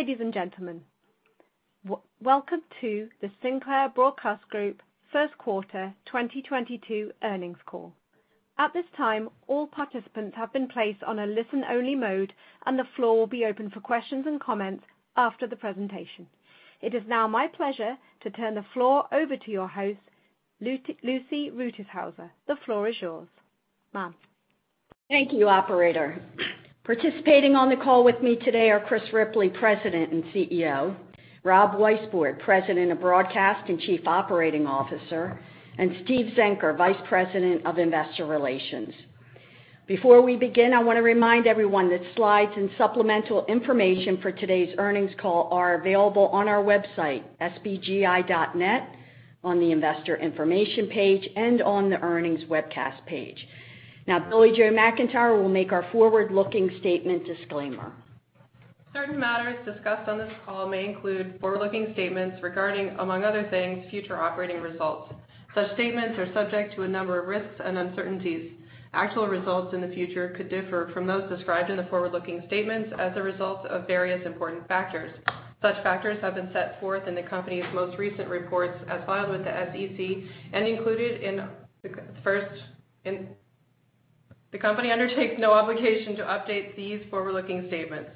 Ladies and gentlemen, welcome to the Sinclair Broadcast Group first quarter 2022 earnings call. At this time, all participants have been placed on a listen-only mode, and the floor will be open for questions and comments after the presentation. It is now my pleasure to turn the floor over to your host, Lucy Rutishauser. The floor is yours, ma'am. Thank you, operator. Participating on the call with me today are Chris Ripley, President and CEO, Rob Weisbord, President of Broadcast and Chief Operating Officer, and Steven Zenker, Vice President of Investor Relations. Before we begin, I wanna remind everyone that slides and supplemental information for today's earnings call are available on our website, sbgi.net, on the investor information page and on the earnings webcast page. Now, Billie-Jo McIntire will make our forward-looking statement disclaimer. Certain matters discussed on this call may include forward-looking statements regarding, among other things, future operating results. Such statements are subject to a number of risks and uncertainties. Actual results in the future could differ from those described in the forward-looking statements as a result of various important factors. Such factors have been set forth in the company's most recent reports as filed with the SEC. The company undertakes no obligation to update these forward-looking statements.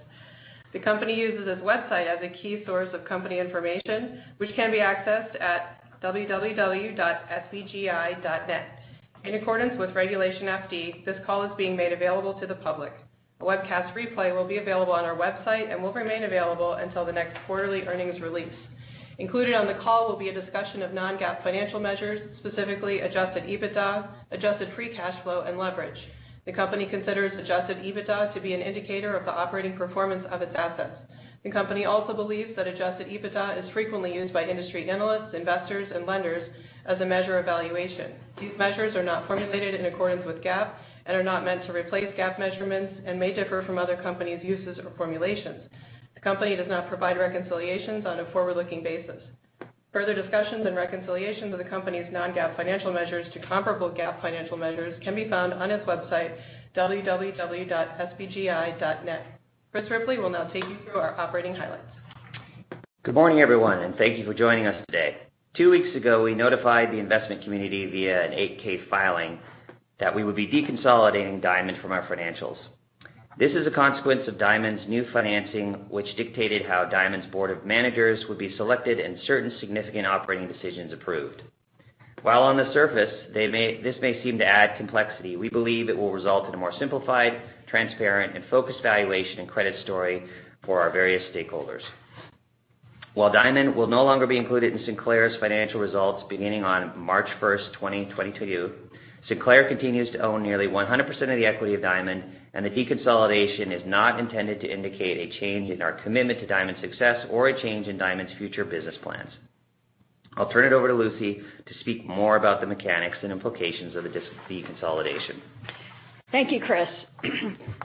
The company uses its website as a key source of company information, which can be accessed at www.sbgi.net. In accordance with Regulation FD, this call is being made available to the public. A webcast replay will be available on our website and will remain available until the next quarterly earnings release. Included on the call will be a discussion of non-GAAP financial measures, specifically Adjusted EBITDA, adjusted free cash flow, and leverage. The company considers Adjusted EBITDA to be an indicator of the operating performance of its assets. The company also believes that Adjusted EBITDA is frequently used by industry analysts, investors, and lenders as a measure of valuation. These measures are not formulated in accordance with GAAP and are not meant to replace GAAP measurements and may differ from other companies' uses or formulations. The company does not provide reconciliations on a forward-looking basis. Further discussions and reconciliations of the company's non-GAAP financial measures to comparable GAAP financial measures can be found on its website, www.sbgi.net. Chris Ripley will now take you through our operating highlights. Good morning, everyone, and thank you for joining us today. Two weeks ago, we notified the investment community via an 8-K filing that we would be deconsolidating Diamond from our financials. This is a consequence of Diamond's new financing, which dictated how Diamond's board of managers would be selected and certain significant operating decisions approved. While on the surface, this may seem to add complexity, we believe it will result in a more simplified, transparent, and focused valuation and credit story for our various stakeholders. While Diamond will no longer be included in Sinclair's financial results beginning on March 1st, 2022, Sinclair continues to own nearly 100% of the equity of Diamond, and the deconsolidation is not intended to indicate a change in our commitment to Diamond's success or a change in Diamond's future business plans. I'll turn it over to Lucy to speak more about the mechanics and implications of the deconsolidation. Thank you, Chris.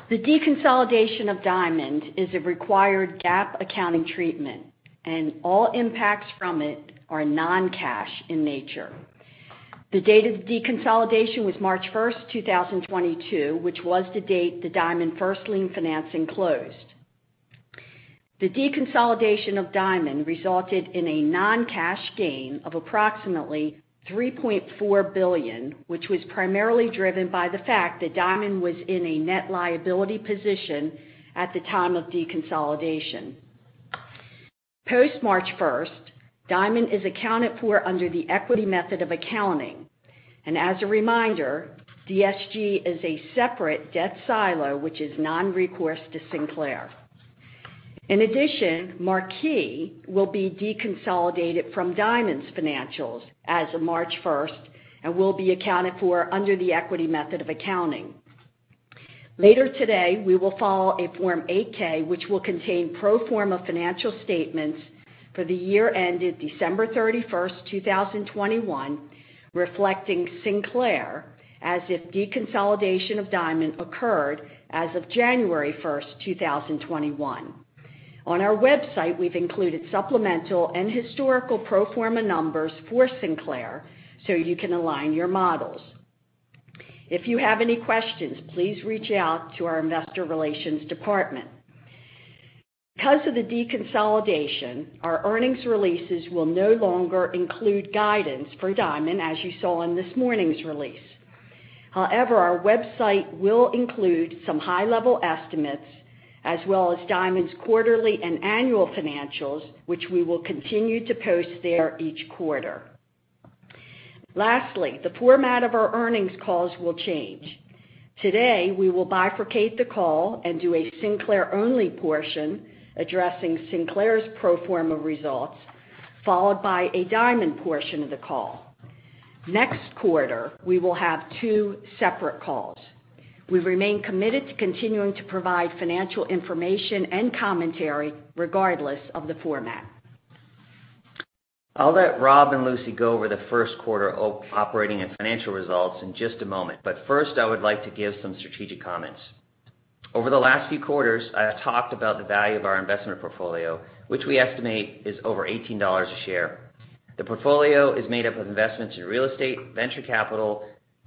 The deconsolidation of Diamond is a required GAAP accounting treatment, and all impacts from it are non-cash in nature. The date of the deconsolidation was March 1st, 2022, which was the date that Diamond first lien financing closed. The deconsolidation of Diamond resulted in a non-cash gain of approximately $3.4 billion, which was primarily driven by the fact that Diamond was in a net liability position at the time of deconsolidation. Post March 1st, Diamond is accounted for under the equity method of accounting. As a reminder, DSG is a separate debt silo, which is non-recourse to Sinclair. In addition, Marquee will be deconsolidated from Diamond's financials as of March 1st and will be accounted for under the equity method of accounting. Later today, we will follow a Form 8-K, which will contain pro forma financial statements for the year ended December 31st, 2021, reflecting Sinclair as if deconsolidation of Diamond occurred as of January 1st, 2021. On our website, we've included supplemental and historical pro forma numbers for Sinclair so you can align your models. If you have any questions, please reach out to our investor relations department. Because of the deconsolidation, our earnings releases will no longer include guidance for Diamond, as you saw in this morning's release. However, our website will include some high-level estimates as well as Diamond's quarterly and annual financials, which we will continue to post there each quarter. Lastly, the format of our earnings calls will change. Today, we will bifurcate the call and do a Sinclair-only portion addressing Sinclair's pro forma results, followed by a Diamond portion of the call. Next quarter, we will have two separate calls. We remain committed to continuing to provide financial information and commentary regardless of the format. I'll let Rob and Lucy go over the first quarter operating and financial results in just a moment, but first, I would like to give some strategic comments. Over the last few quarters, I have talked about the value of our investment portfolio, which we estimate is over $18 a share. The portfolio is made up of investments in real estate, venture capital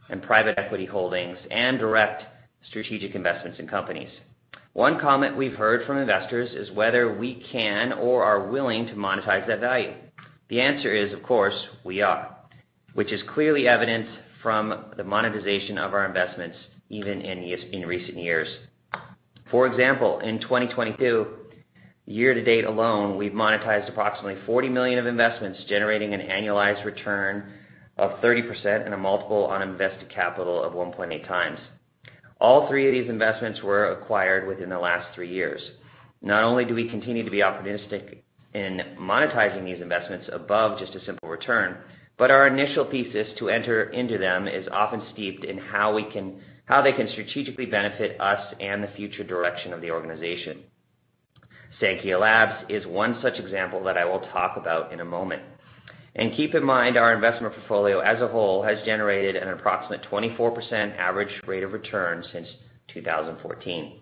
and private equity holdings, and direct strategic investments in companies. One comment we've heard from investors is whether we can or are willing to monetize that value. The answer is, of course, we are, which is clearly evident from the monetization of our investments even in recent years. For example, in 2022, year to date alone, we've monetized approximately $40 million of investments, generating an annualized return of 30% and a multiple on invested capital of 1.8x. All three of these investments were acquired within the last three years. Not only do we continue to be opportunistic in monetizing these investments above just a simple return, but our initial thesis to enter into them is often steeped in how they can strategically benefit us and the future direction of the organization. Saankhya Labs is one such example that I will talk about in a moment. Keep in mind, our investment portfolio as a whole has generated an approximate 24% average rate of return since 2014.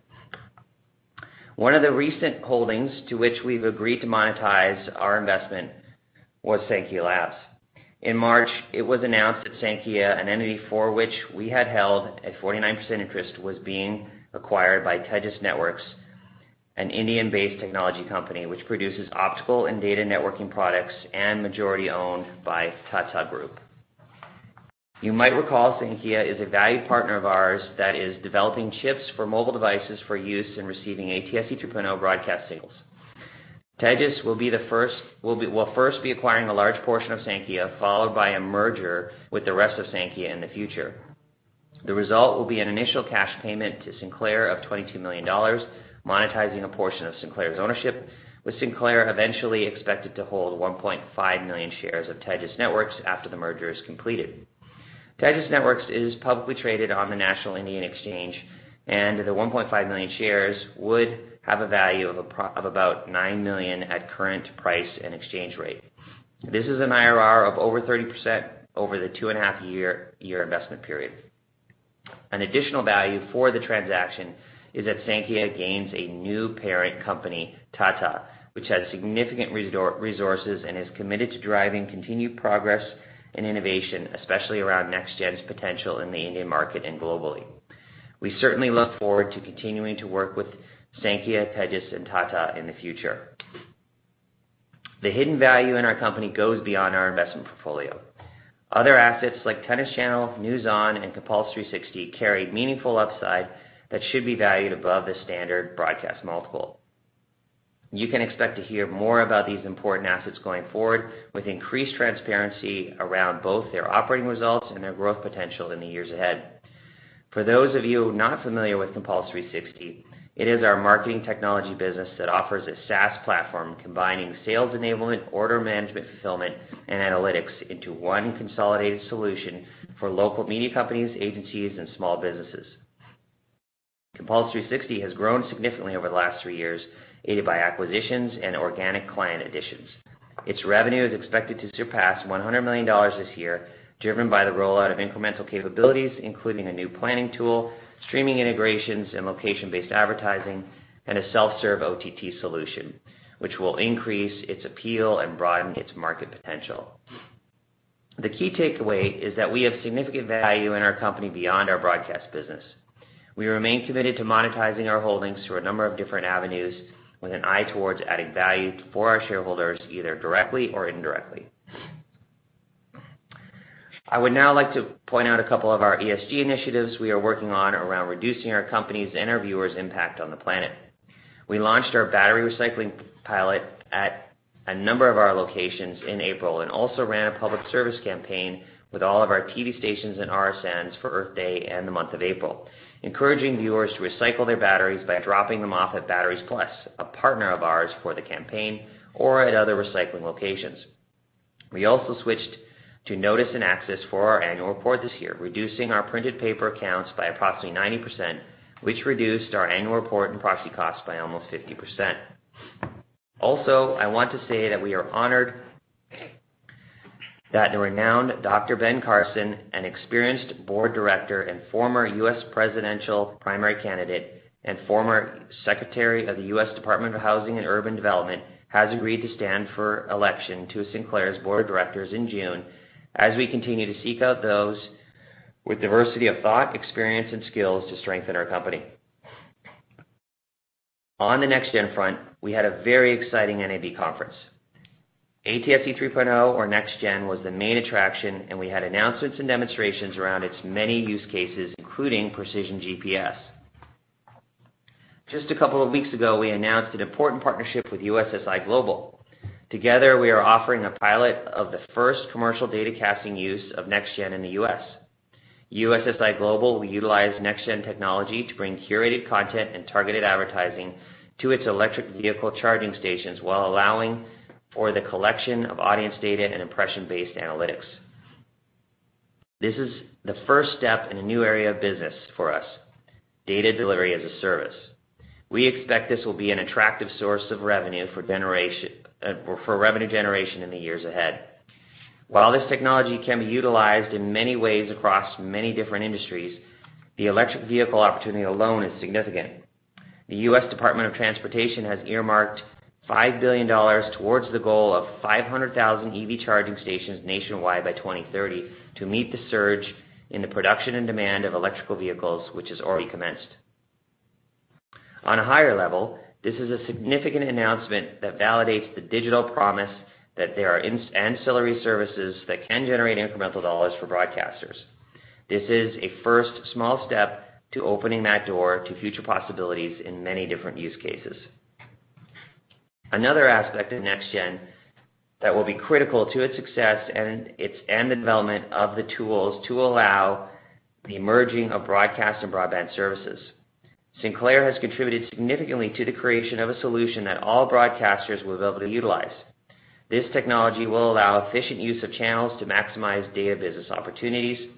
One of the recent holdings to which we've agreed to monetize our investment was Saankhya Labs. In March, it was announced that Saankhya, an entity for which we had held a 49% interest, was being acquired by Tejas Networks, an Indian-based technology company which produces optical and data networking products and majority-owned by Tata Group. You might recall Saankhya is a value partner of ours that is developing chips for mobile devices for use in receiving ATSC 3.0 broadcast signals. Tejas will first be acquiring a large portion of Saankhya, followed by a merger with the rest of Saankhya in the future. The result will be an initial cash payment to Sinclair of $22 million, monetizing a portion of Sinclair's ownership, with Sinclair eventually expected to hold 1.5 million shares of Tejas Networks after the merger is completed. Tejas Networks is publicly traded on the National Stock Exchange of India, and the 1.5 million shares would have a value of about $9 million at current price and exchange rate. This is an IRR of over 30% over the two and a half year investment period. An additional value for the transaction is that Saankhya gains a new parent company, Tata, which has significant resources and is committed to driving continued progress and innovation, especially around NextGen's potential in the Indian market and globally. We certainly look forward to continuing to work with Saankhya, Tejas and Tata in the future. The hidden value in our company goes beyond our investment portfolio. Other assets like Tennis Channel, NewsON, and Compulse 360 carry meaningful upside that should be valued above the standard broadcast multiple. You can expect to hear more about these important assets going forward with increased transparency around both their operating results and their growth potential in the years ahead. For those of you not familiar with Compulse 360, it is our marketing technology business that offers a SaaS platform combining sales enablement, order management fulfillment, and analytics into one consolidated solution for local media companies, agencies, and small businesses. Compulse 360 has grown significantly over the last three years, aided by acquisitions and organic client additions. Its revenue is expected to surpass $100 million this year, driven by the rollout of incremental capabilities, including a new planning tool, streaming integrations and location-based advertising, and a self-serve OTT solution, which will increase its appeal and broaden its market potential. The key takeaway is that we have significant value in our company beyond our broadcast business. We remain committed to monetizing our holdings through a number of different avenues with an eye towards adding value for our shareholders, either directly or indirectly. I would now like to point out a couple of our ESG initiatives we are working on around reducing our company's and our viewers' impact on the planet. We launched our battery recycling pilot at a number of our locations in April and also ran a public service campaign with all of our TV stations and RSNs for Earth Day and the month of April, encouraging viewers to recycle their batteries by dropping them off at Batteries Plus, a partner of ours for the campaign or at other recycling locations. We also switched to Notice and Access for our annual report this year, reducing our printed paper accounts by approximately 90%, which reduced our annual report and proxy costs by almost 50%. I want to say that we are honored that the renowned Dr. Ben Carson, an experienced board director and former U.S. presidential primary candidate and former Secretary of the U.S. Department of Housing and Urban Development, has agreed to stand for election to Sinclair's board of directors in June as we continue to seek out those with diversity of thought, experience, and skills to strengthen our company. On the NextGen front, we had a very exciting NAB conference. ATSC 3.0 or NextGen was the main attraction, and we had announcements and demonstrations around its many use cases, including precision GPS. Just a couple of weeks ago, we announced an important partnership with USSI Global. Together, we are offering a pilot of the first commercial datacasting use of NextGen in the U.S. USSI Global will utilize NextGen technology to bring curated content and targeted advertising to its electric vehicle charging stations while allowing for the collection of audience data and impression-based analytics. This is the first step in a new area of business for us, data delivery as a service. We expect this will be an attractive source of revenue for revenue generation in the years ahead. While this technology can be utilized in many ways across many different industries, the electric vehicle opportunity alone is significant. The U.S. Department of Transportation has earmarked $5 billion towards the goal of 500,000 EV charging stations nationwide by 2030 to meet the surge in the production and demand of electric vehicles, which has already commenced. On a higher level, this is a significant announcement that validates the digital promise that there are ancillary services that can generate incremental dollars for broadcasters. This is a first small step to opening that door to future possibilities in many different use cases. Another aspect of NextGen that will be critical to its success and its end development of the tools to allow the merging of broadcast and broadband services. Sinclair has contributed significantly to the creation of a solution that all broadcasters will be able to utilize. This technology will allow efficient use of channels to maximize data business opportunities.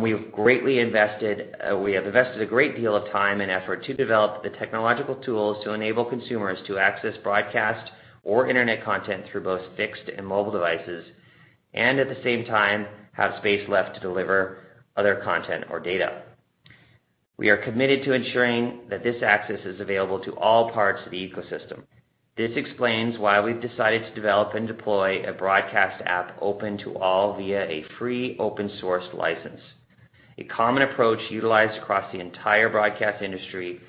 We have invested a great deal of time and effort to develop the technological tools to enable consumers to access broadcast or internet content through both fixed and mobile devices, and at the same time, have space left to deliver other content or data. We are committed to ensuring that this access is available to all parts of the ecosystem. This explains why we've decided to develop and deploy a broadcast app open to all via a free open source license. A common approach utilized across the entire broadcast industry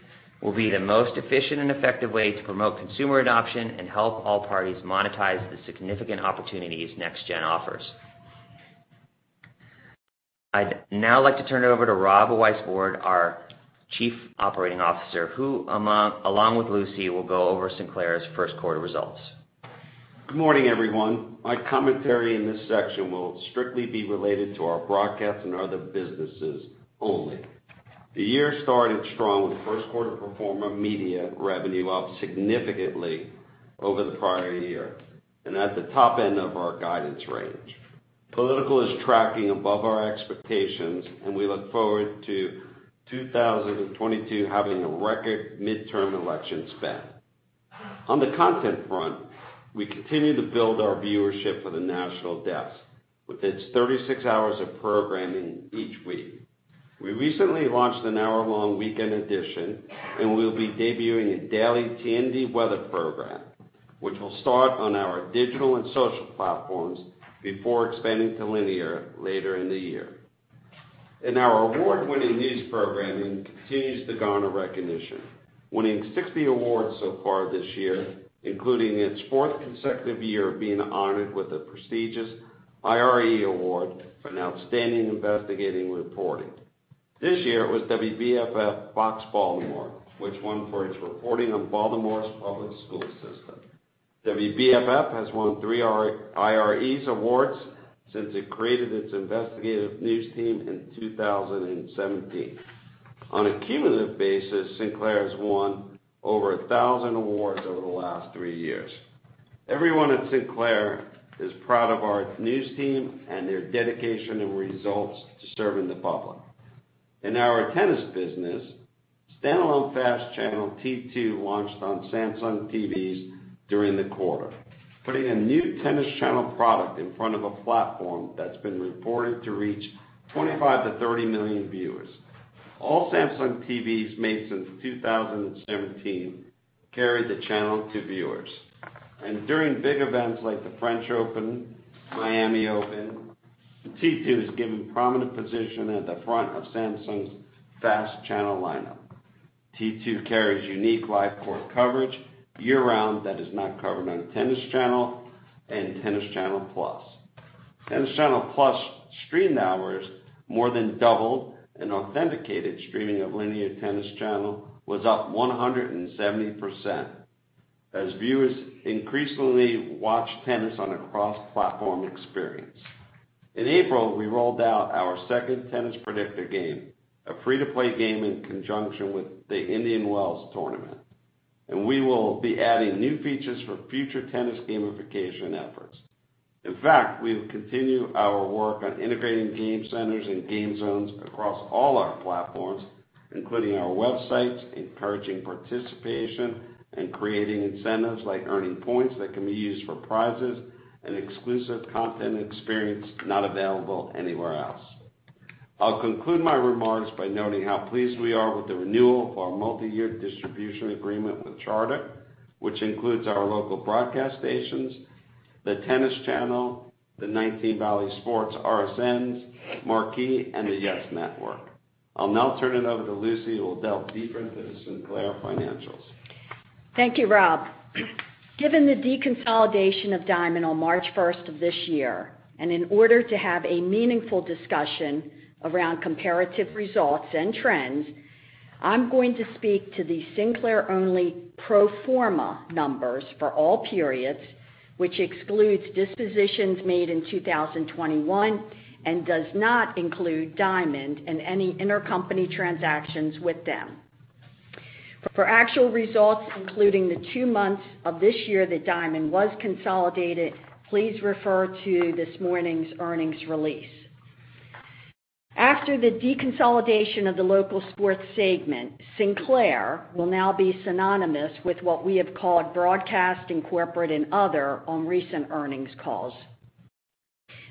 will be the most efficient and effective way to promote consumer adoption and help all parties monetize the significant opportunities NextGen offers. I'd now like to turn it over to Rob Weisbord, our Chief Operating Officer, who along with Lucy, will go over Sinclair's first quarter results. Good morning, everyone. My commentary in this section will strictly be related to our broadcast and other businesses only. The year started strong with first quarter political media revenue up significantly over the prior year, and at the top end of our guidance range. Political is tracking above our expectations, and we look forward to 2022 having a record midterm election spend. On the content front, we continue to build our viewership for The National Desk with its 36 hours of programming each week. We recently launched an hour-long weekend edition, and we'll be debuting a daily TND weather program, which will start on our digital and social platforms before expanding to linear later in the year. Our award-winning news programming continues to garner recognition, winning 60 awards so far this year, including its fourth consecutive year of being honored with the prestigious IRE Award for an outstanding investigative reporting. This year was WBFF Fox Baltimore, which won for its reporting on Baltimore's public school system. WBFF has won three IRE awards since it created its investigative news team in 2017. On a cumulative basis, Sinclair has won over 1,000 awards over the last three years. Everyone at Sinclair is proud of our news team and their dedication and results in serving the public. In our tennis business, standalone fast channel T2 launched on Samsung TVs during the quarter, putting a new tennis channel product in front of a platform that's been reported to reach 25-30 million viewers. All Samsung TVs made since 2017 carry the channel to viewers. During big events like the French Open, Miami Open, T2 is given prominent position at the front of Samsung's FAST channel lineup. T2 carries unique live court coverage year-round that is not covered on Tennis Channel and Tennis Channel Plus. Tennis Channel Plus streamed hours more than doubled and authenticated streaming of linear Tennis Channel was up 170% as viewers increasingly watch tennis on a cross-platform experience. In April, we rolled out our second Tennis Predictor game, a free-to-play game in conjunction with the Indian Wells tournament, and we will be adding new features for future tennis gamification efforts. In fact, we've continued our work on integrating game centers and game zones across all our platforms, including our websites, encouraging participation, and creating incentives like earning points that can be used for prizes and exclusive content experience not available anywhere else. I'll conclude my remarks by noting how pleased we are with the renewal of our multi-year distribution agreement with Charter, which includes our local broadcast stations, the Tennis Channel, the 19 Bally Sports RSNs, Marquee, and the YES Network. I'll now turn it over to Lucy, who will delve deeper into the Sinclair financials. Thank you, Rob. Given the deconsolidation of Diamond on March 1st of this year, and in order to have a meaningful discussion around comparative results and trends, I'm going to speak to the Sinclair-only pro forma numbers for all periods, which excludes dispositions made in 2021 and does not include Diamond and any intercompany transactions with them. For actual results, including the two months of this year that Diamond was consolidated, please refer to this morning's earnings release. After the deconsolidation of the local sports segment, Sinclair will now be synonymous with what we have called broadcast and corporate and other on recent earnings calls.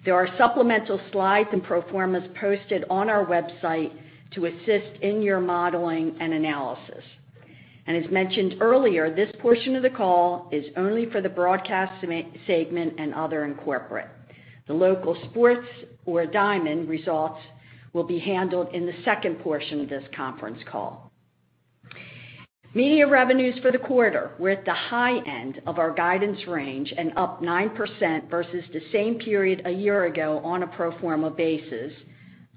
There are supplemental slides and pro formas posted on our website to assist in your modeling and analysis. As mentioned earlier, this portion of the call is only for the Broadcast segment and Other and Corporate. The Local Sports or Diamond results will be handled in the second portion of this conference call. Media revenues for the quarter were at the high end of our guidance range and up 9% versus the same period a year ago on a pro forma basis,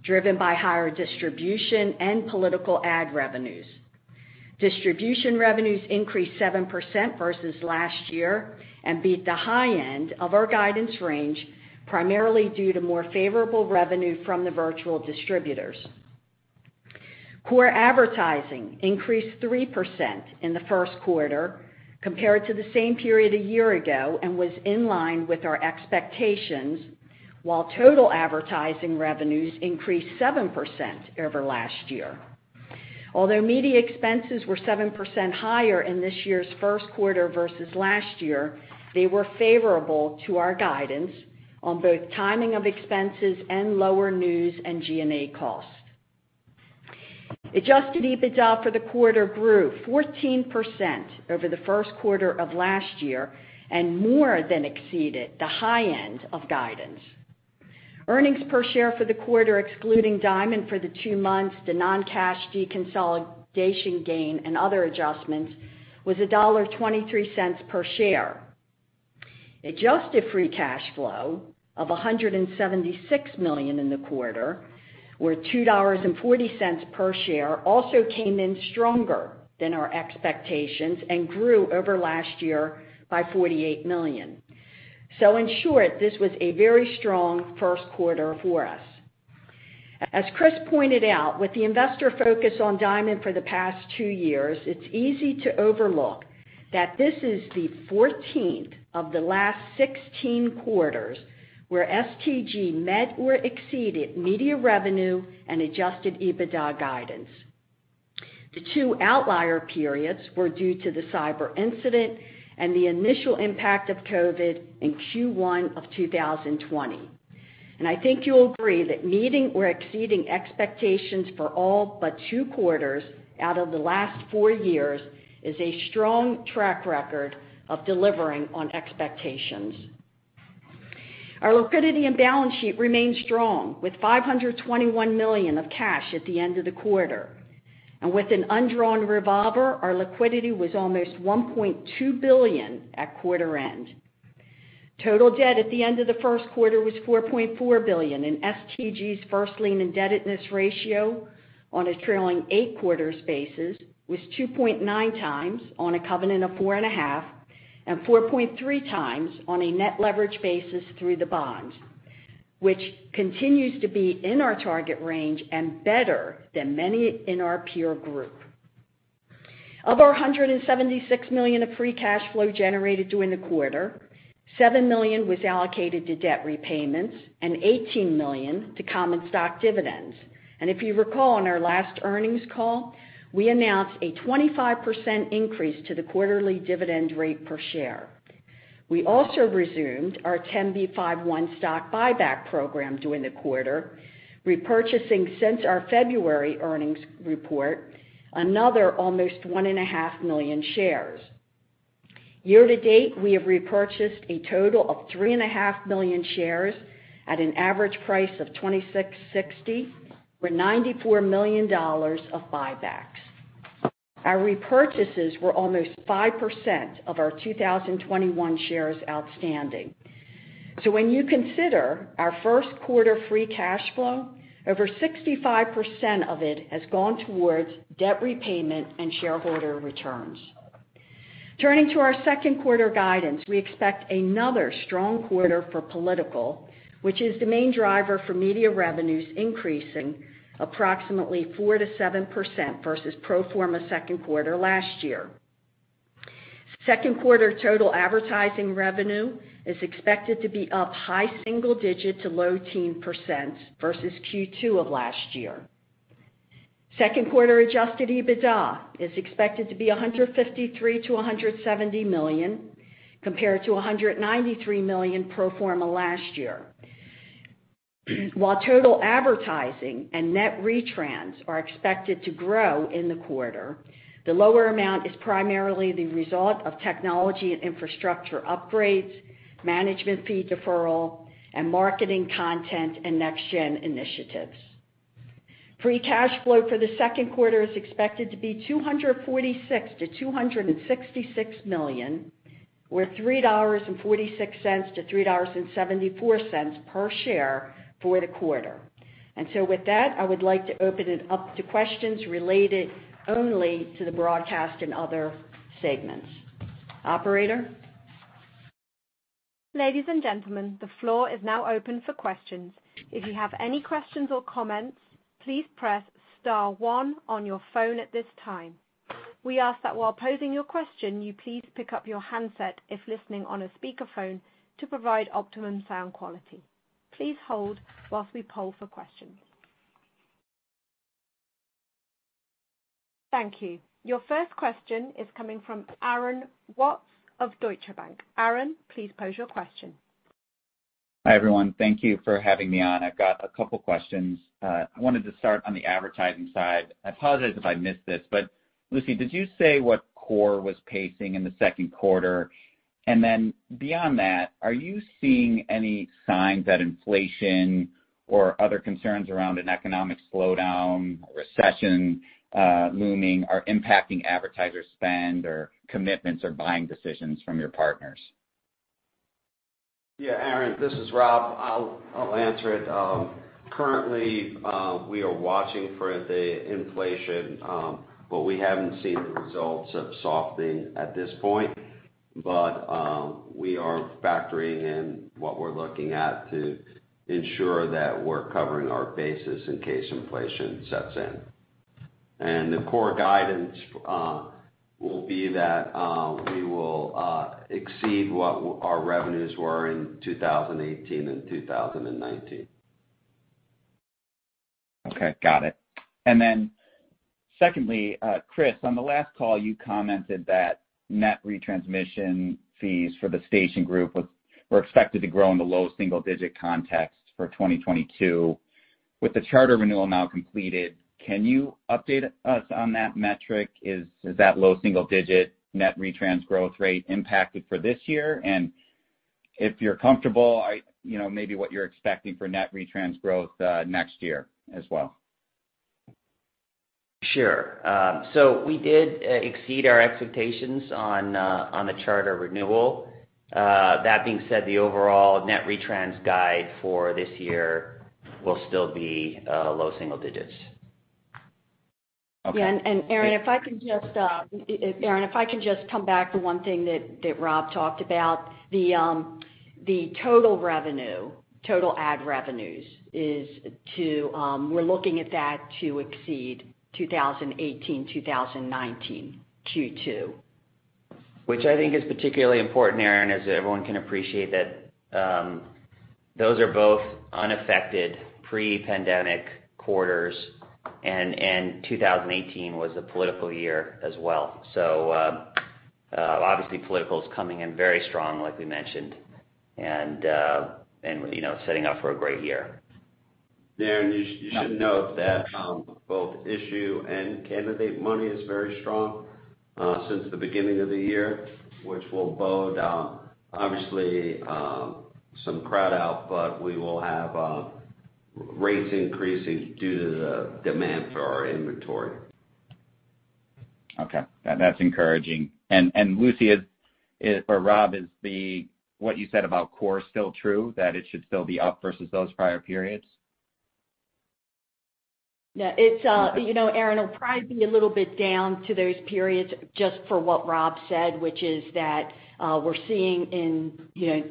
driven by higher distribution and political ad revenues. Distribution revenues increased 7% versus last year and beat the high end of our guidance range, primarily due to more favorable revenue from the virtual distributors. Core advertising increased 3% in the first quarter compared to the same period a year ago and was in line with our expectations, while total advertising revenues increased 7% over last year. Although media expenses were 7% higher in this year's first quarter versus last year, they were favorable to our guidance on both timing of expenses and lower news and G&A costs. Adjusted EBITDA for the quarter grew 14% over the first quarter of last year and more than exceeded the high end of guidance. Earnings per share for the quarter, excluding Diamond for the two months, the non-cash deconsolidation gain and other adjustments, was $1.23 per share. Adjusted free cash flow of $176 million in the quarter, or $2.40 per share, also came in stronger than our expectations and grew over last year by $48 million. In short, this was a very strong first quarter for us. As Chris pointed out, with the investor focus on Diamond for the past two years, it's easy to overlook that this is the 14th of the last 16 quarters where STG met or exceeded media revenue and Adjusted EBITDA guidance. The two outlier periods were due to the cyber incident and the initial impact of COVID in Q1 of 2020. I think you'll agree that meeting or exceeding expectations for all but two quarters out of the last four years is a strong track record of delivering on expectations. Our liquidity and balance sheet remain strong, with $521 million of cash at the end of the quarter. With an undrawn revolver, our liquidity was almost $1.2 billion at quarter end. Total debt at the end of the first quarter was $4.4 billion, and STG's first lien indebtedness ratio on a trailing eight quarters basis was 2.9x on a covenant of 4.5, and 4.3x on a net leverage basis through the bonds, which continues to be in our target range and better than many in our peer group. Of our $176 million of free cash flow generated during the quarter, $7 million was allocated to debt repayments and $18 million to common stock dividends. If you recall, on our last earnings call, we announced a 25% increase to the quarterly dividend rate per share. We also resumed our 10b5-1 stock buyback program during the quarter, repurchasing since our February earnings report, another almost 1.5 million shares. Year to date, we have repurchased a total of 3.5 million shares at an average price of $26.60, with $94 million of buybacks. Our repurchases were almost 5% of our 2021 shares outstanding. When you consider our first quarter free cash flow, over 65% of it has gone towards debt repayment and shareholder returns. Turning to our second quarter guidance, we expect another strong quarter for political, which is the main driver for media revenues increasing approximately 4%-7% versus pro forma second quarter last year. Second quarter total advertising revenue is expected to be up high single-digit to low-teens% versus Q2 of last year. Second quarter Adjusted EBITDA is expected to be $153 million-$170 million, compared to $193 million pro forma last year. While total advertising and net retrans are expected to grow in the quarter, the lower amount is primarily the result of technology and infrastructure upgrades, management fee deferral, and marketing content and next-gen initiatives. Free cash flow for the second quarter is expected to be $246 million-$266 million, with $3.46-$3.74 per share for the quarter. With that, I would like to open it up to questions related only to the Broadcast and Other segments. Operator? Ladies and gentlemen, the floor is now open for questions. If you have any questions or comments, please press star one on your phone at this time. We ask that while posing your question, you please pick up your handset if listening on a speakerphone to provide optimum sound quality. Please hold while we poll for questions. Thank you. Your first question is coming from Aaron Watts of Deutsche Bank. Aaron, please pose your question. Hi, everyone. Thank you for having me on. I've got a couple questions. I wanted to start on the advertising side. I apologize if I missed this, but Lucy, did you say what core was pacing in the second quarter? And then beyond that, are you seeing any signs that inflation or other concerns around an economic slowdown or recession, looming are impacting advertiser spend or commitments or buying decisions from your partners? Yeah, Aaron, this is Rob. I'll answer it. Currently, we are watching for the inflation, but we haven't seen the results of softening at this point. We are factoring in what we're looking at to ensure that we're covering our bases in case inflation sets in. The core guidance will be that we will exceed what our revenues were in 2018 and 2019. Okay, got it. Secondly, Chris, on the last call, you commented that net retransmission fees for the station group were expected to grow in the low single digits for 2022. With the Charter renewal now completed, can you update us on that metric? Is that low single digit net retrans growth rate impacted for this year? And if you're comfortable, you know, maybe what you're expecting for net retrans growth next year as well. Sure. We did exceed our expectations on the Charter renewal. That being said, the overall net retrans guide for this year will still be low single digits%. Okay. Aaron, if I can just come back to one thing that Rob talked about, the total ad revenues. We're looking at that to exceed 2018, 2019 Q2. Which I think is particularly important, Aaron, as everyone can appreciate that those are both unaffected pre-pandemic quarters, and 2018 was a political year as well. Obviously political is coming in very strong like we mentioned, and you know, setting up for a great year. Aaron, you should note that both issue and candidate money is very strong since the beginning of the year, which will bode, obviously, some crowd out, but we will have rates increasing due to the demand for our inventory. Okay. That's encouraging. Lucy or Rob, is what you said about core still true, that it should still be up versus those prior periods? Yeah. It's, you know, Aaron, it'll probably be a little bit down to those periods just for what Rob said, which is that we're seeing in, you know,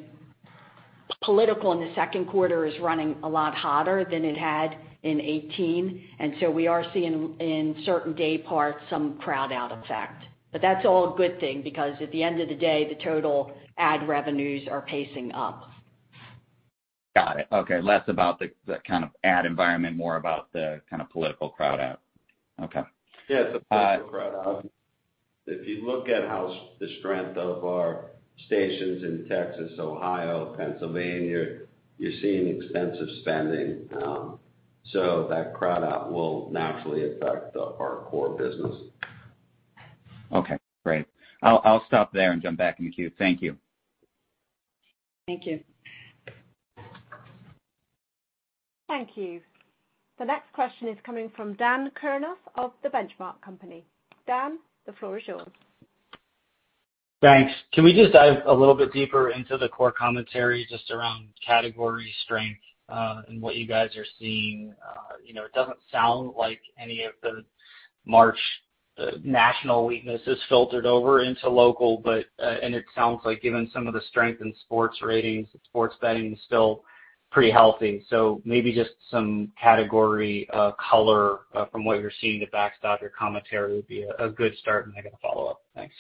political in the second quarter is running a lot hotter than it had in 2018. We are seeing in certain day parts some crowd out effect. That's all a good thing because at the end of the day, the total ad revenues are pacing up. Got it. Okay. Less about the kind of ad environment, more about the kind of political crowd out. Okay. Yeah, it's a political crowd out. If you look at how the strength of our stations in Texas, Ohio, Pennsylvania, you're seeing expensive spending, so that crowd out will naturally affect our core business. Okay, great. I'll stop there and jump back in the queue. Thank you. Thank you. Thank you. The next question is coming from Dan Kurnos of The Benchmark Company. Dan, the floor is yours. Thanks. Can we just dive a little bit deeper into the core commentary just around category strength, and what you guys are seeing? You know, it doesn't sound like any of the March national weaknesses filtered over into local, but, and it sounds like given some of the strength in sports ratings, sports betting is still pretty healthy. So maybe just some category color from what you're seeing to backstop your commentary would be a good start, and I got a follow-up. Thanks.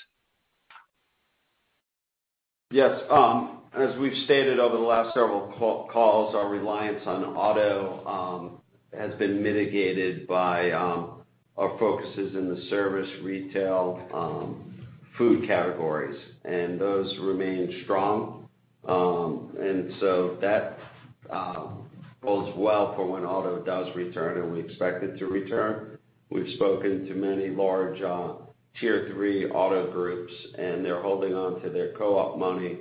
Yes. As we've stated over the last several calls, our reliance on auto has been mitigated by our focuses in the service, retail, food categories, and those remain strong. That bodes well for when auto does return, and we expect it to return. We've spoken to many large tier three auto groups, and they're holding on to their co-op money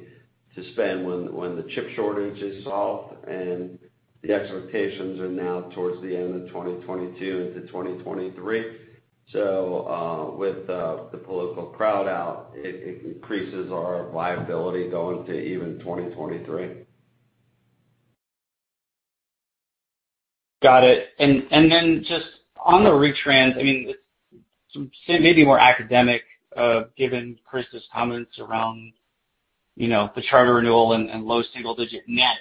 to spend when the chip shortage is solved, and the expectations are now towards the end of 2022 into 2023. With the political crowd out, it increases our liability going to even 2023. Got it. Then just on the retrans, I mean, it's some say maybe more academic, given Chris's comments around the Charter renewal and low single digit net.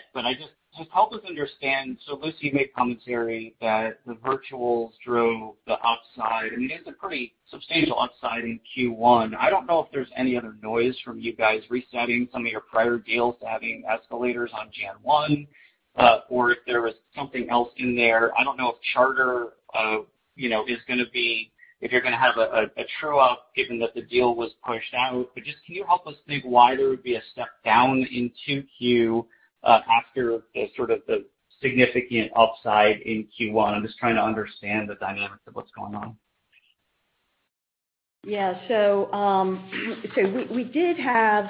Just help us understand. Lucy made commentary that the virtuals drove the upside, and it is a pretty substantial upside in Q1. I don't know if there's any other noise from you guys resetting some of your prior deals to having escalators on January 1, or if there was something else in there. I don't know if Charter is gonna have a true up given that the deal was pushed out. Just can you help us think why there would be a step down in 2Q after the sort of the significant upside in Q1? I'm just trying to understand the dynamics of what's going on. Yeah. We did have,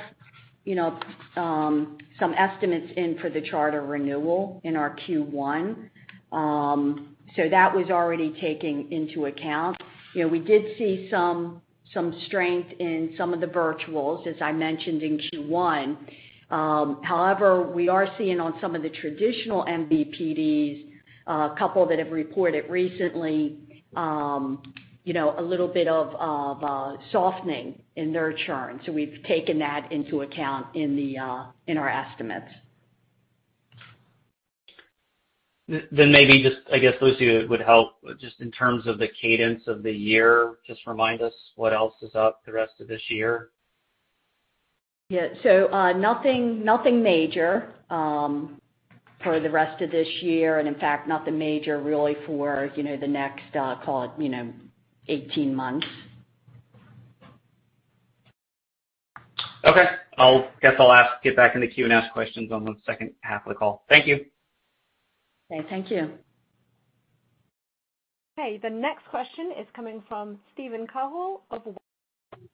you know, some estimates in for the Charter renewal in our Q1. That was already taking into account. You know, we did see some strength in some of the virtuals, as I mentioned in Q1. However, we are seeing on some of the traditional MVPDs, a couple that have reported recently, you know, a little bit of softening in their churn. We've taken that into account in our estimates. Maybe just, I guess, Lucy, it would help just in terms of the cadence of the year. Just remind us what else is up the rest of this year. Yeah. Nothing major for the rest of this year, and in fact, nothing major really for, you know, the next, call it, you know, 18 months. Okay. Guess I'll ask, get back in the queue and ask questions on the second half of the call. Thank you. Okay, thank you. Okay. The next question is coming from Steven Cahall of Wells Fargo.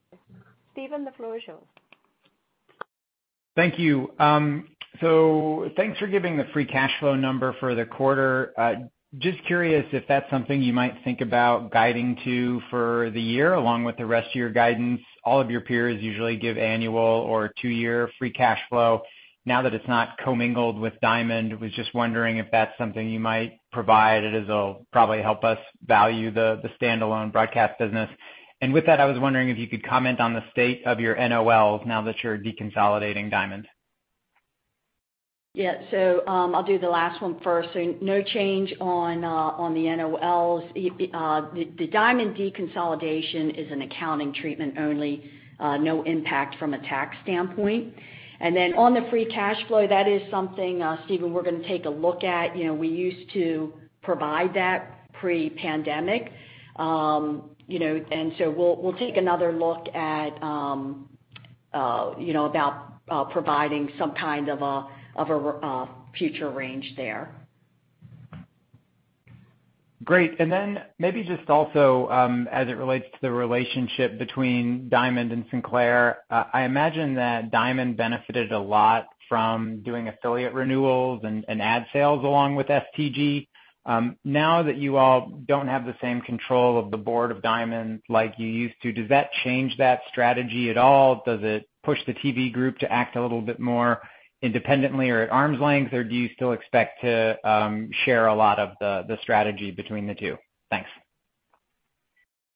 Steven, the floor is yours. Thank you. So thanks for giving the free cash flow number for the quarter. Just curious if that's something you might think about guiding to for the year, along with the rest of your guidance. All of your peers usually give annual or two-year free cash flow. Now that it's not commingled with Diamond, I was just wondering if that's something you might provide. It'll probably help us value the standalone broadcast business. With that, I was wondering if you could comment on the state of your NOLs now that you're deconsolidating Diamond. Yeah. I'll do the last one first. No change on the NOLs. The Diamond deconsolidation is an accounting treatment only, no impact from a tax standpoint. On the free cash flow, that is something, Steven, we're gonna take a look at. You know, we used to provide that pre-pandemic. You know, we'll take another look at you know, about providing some kind of a future range there. Great. Maybe just also, as it relates to the relationship between Diamond and Sinclair, I imagine that Diamond benefited a lot from doing affiliate renewals and ad sales along with STG. Now that you all don't have the same control of the board of Diamond like you used to, does that change that strategy at all? Does it push the TV group to act a little bit more independently or at arm's length, or do you still expect to share a lot of the strategy between the two? Thanks.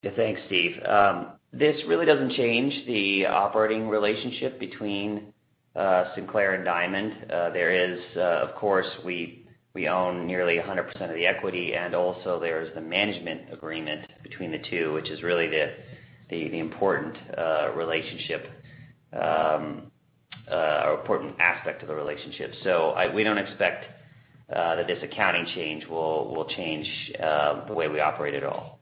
Yeah. Thanks, Steve. This really doesn't change the operating relationship between Sinclair and Diamond. There is, of course, we own nearly 100% of the equity, and also there's the management agreement between the two, which is really the important relationship or important aspect of the relationship. We don't expect that this accounting change will change the way we operate at all.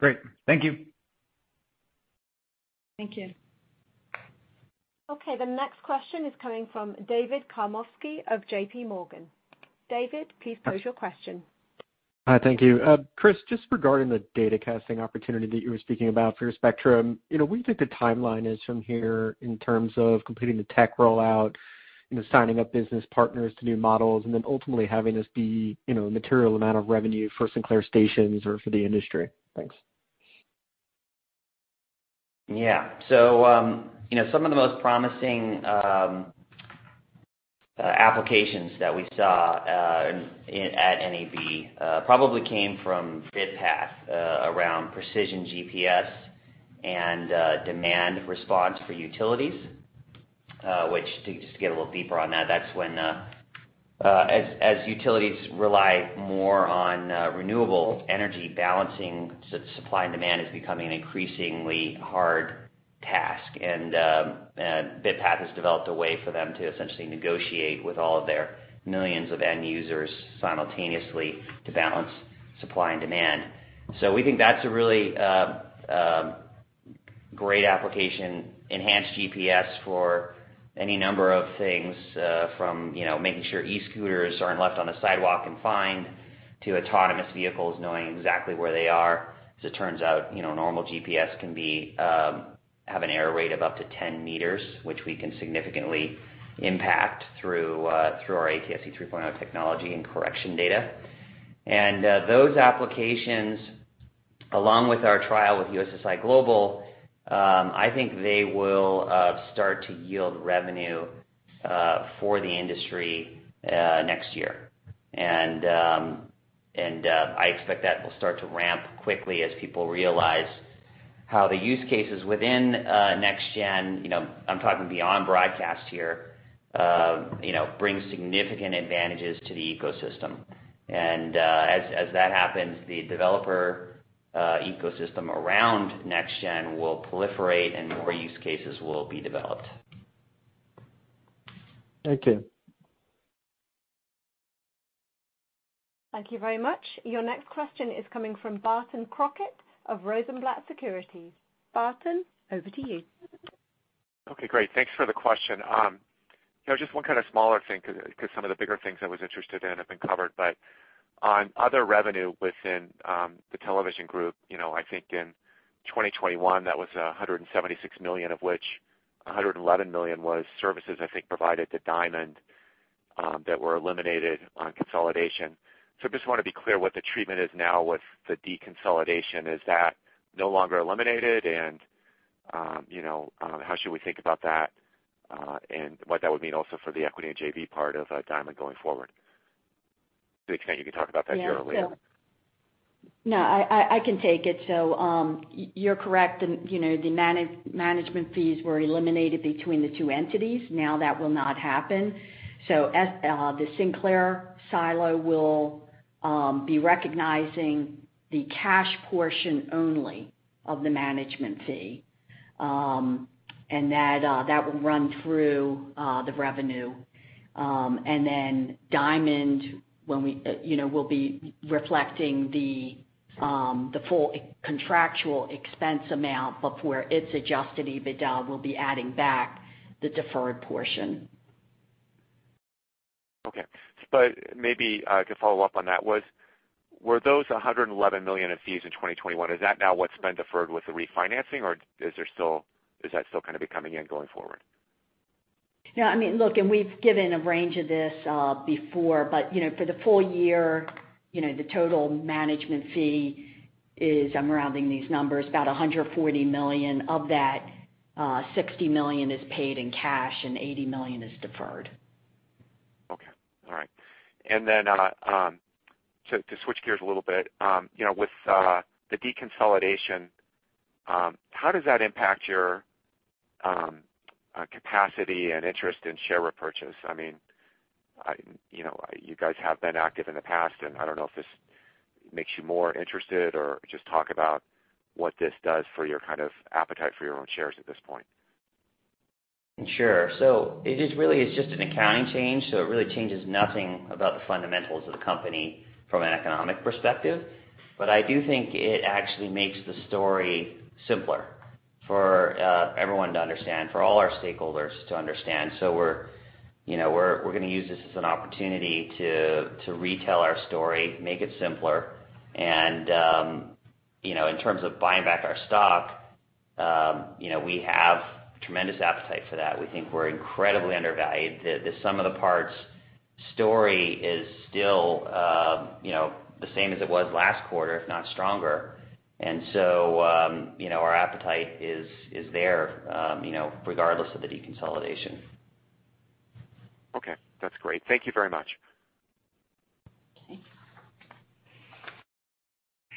Great. Thank you. Thank you. Okay. The next question is coming from David Karnovsky of J.P. Morgan. David, please pose your question. Hi. Thank you. Chris, just regarding the data casting opportunity that you were speaking about for your spectrum, you know, what do you think the timeline is from here in terms of completing the tech rollout, you know, signing up business partners to new models, and then ultimately having this be, you know, a material amount of revenue for Sinclair stations or for the industry? Thanks. Yeah. You know, some of the most promising applications that we saw at NAB probably came from BitPath around precision GPS and demand response for utilities, which to just get a little deeper on that's when, as utilities rely more on renewable energy balancing, supply and demand is becoming an increasingly hard task. BitPath has developed a way for them to essentially negotiate with all of their millions of end users simultaneously to balance supply and demand. We think that's a really great application, enhanced GPS for any number of things, from you know, making sure e-scooters aren't left on the sidewalk and fined to autonomous vehicles knowing exactly where they are. As it turns out, you know, normal GPS have an error rate of up to 10 m, which we can significantly impact through our ATSC 3.0 technology and correction data. Those applications, along with our trial with USSI Global, I think they will start to yield revenue for the industry next year. I expect that will start to ramp quickly as people realize how the use cases within NextGen, you know, I'm talking beyond broadcast here, you know, bring significant advantages to the ecosystem. As that happens, the developer ecosystem around NextGen will proliferate and more use cases will be developed. Thank you. Thank you very much. Your next question is coming from Barton Crockett of Rosenblatt Securities. Barton, over to you. Okay, great. Thanks for the question. You know, just one kind of smaller thing, 'cause some of the bigger things I was interested in have been covered. On other revenue within the television group, you know, I think in 2021, that was $176 million, of which $111 million was services, I think, provided to Diamond that were eliminated on consolidation. Just wanna be clear what the treatment is now with the deconsolidation. Is that no longer eliminated? You know, how should we think about that, and what that would mean also for the equity and JV part of Diamond going forward? To the extent you can talk about that here or later. Yeah. No, I can take it. You're correct. You know, the management fees were eliminated between the two entities. Now that will not happen. The Sinclair silo will be recognizing the cash portion only of the management fee. That will run through the revenue. Then Diamond, when we you know will be reflecting the full contractual expense amount, but where its Adjusted EBITDA will be adding back the deferred portion. Maybe, to follow up on that, were those $111 million in fees in 2021, is that now what's been deferred with the refinancing, or is that still kinda be coming in going forward? No, I mean, look, we've given a range of this before, but you know, for the full-year, you know, the total management fee is, I'm rounding these numbers, about $140 million. Of that, $60 million is paid in cash and $80 million is deferred. Okay. All right. To switch gears a little bit, you know, with the deconsolidation, how does that impact your capacity and interest in share repurchase? I mean, you know, you guys have been active in the past, and I don't know if this makes you more interested or just talk about what this does for your kind of appetite for your own shares at this point. Sure. It is really, it's just an accounting change, so it really changes nothing about the fundamentals of the company from an economic perspective. But I do think it actually makes the story simpler for everyone to understand, for all our stakeholders to understand. We're, you know, we're gonna use this as an opportunity to retell our story, make it simpler. You know, in terms of buying back our stock, you know, we have tremendous appetite for that. We think we're incredibly undervalued. The sum of the parts story is still, you know, the same as it was last quarter, if not stronger. You know, our appetite is there, you know, regardless of the deconsolidation. Okay. That's great. Thank you very much.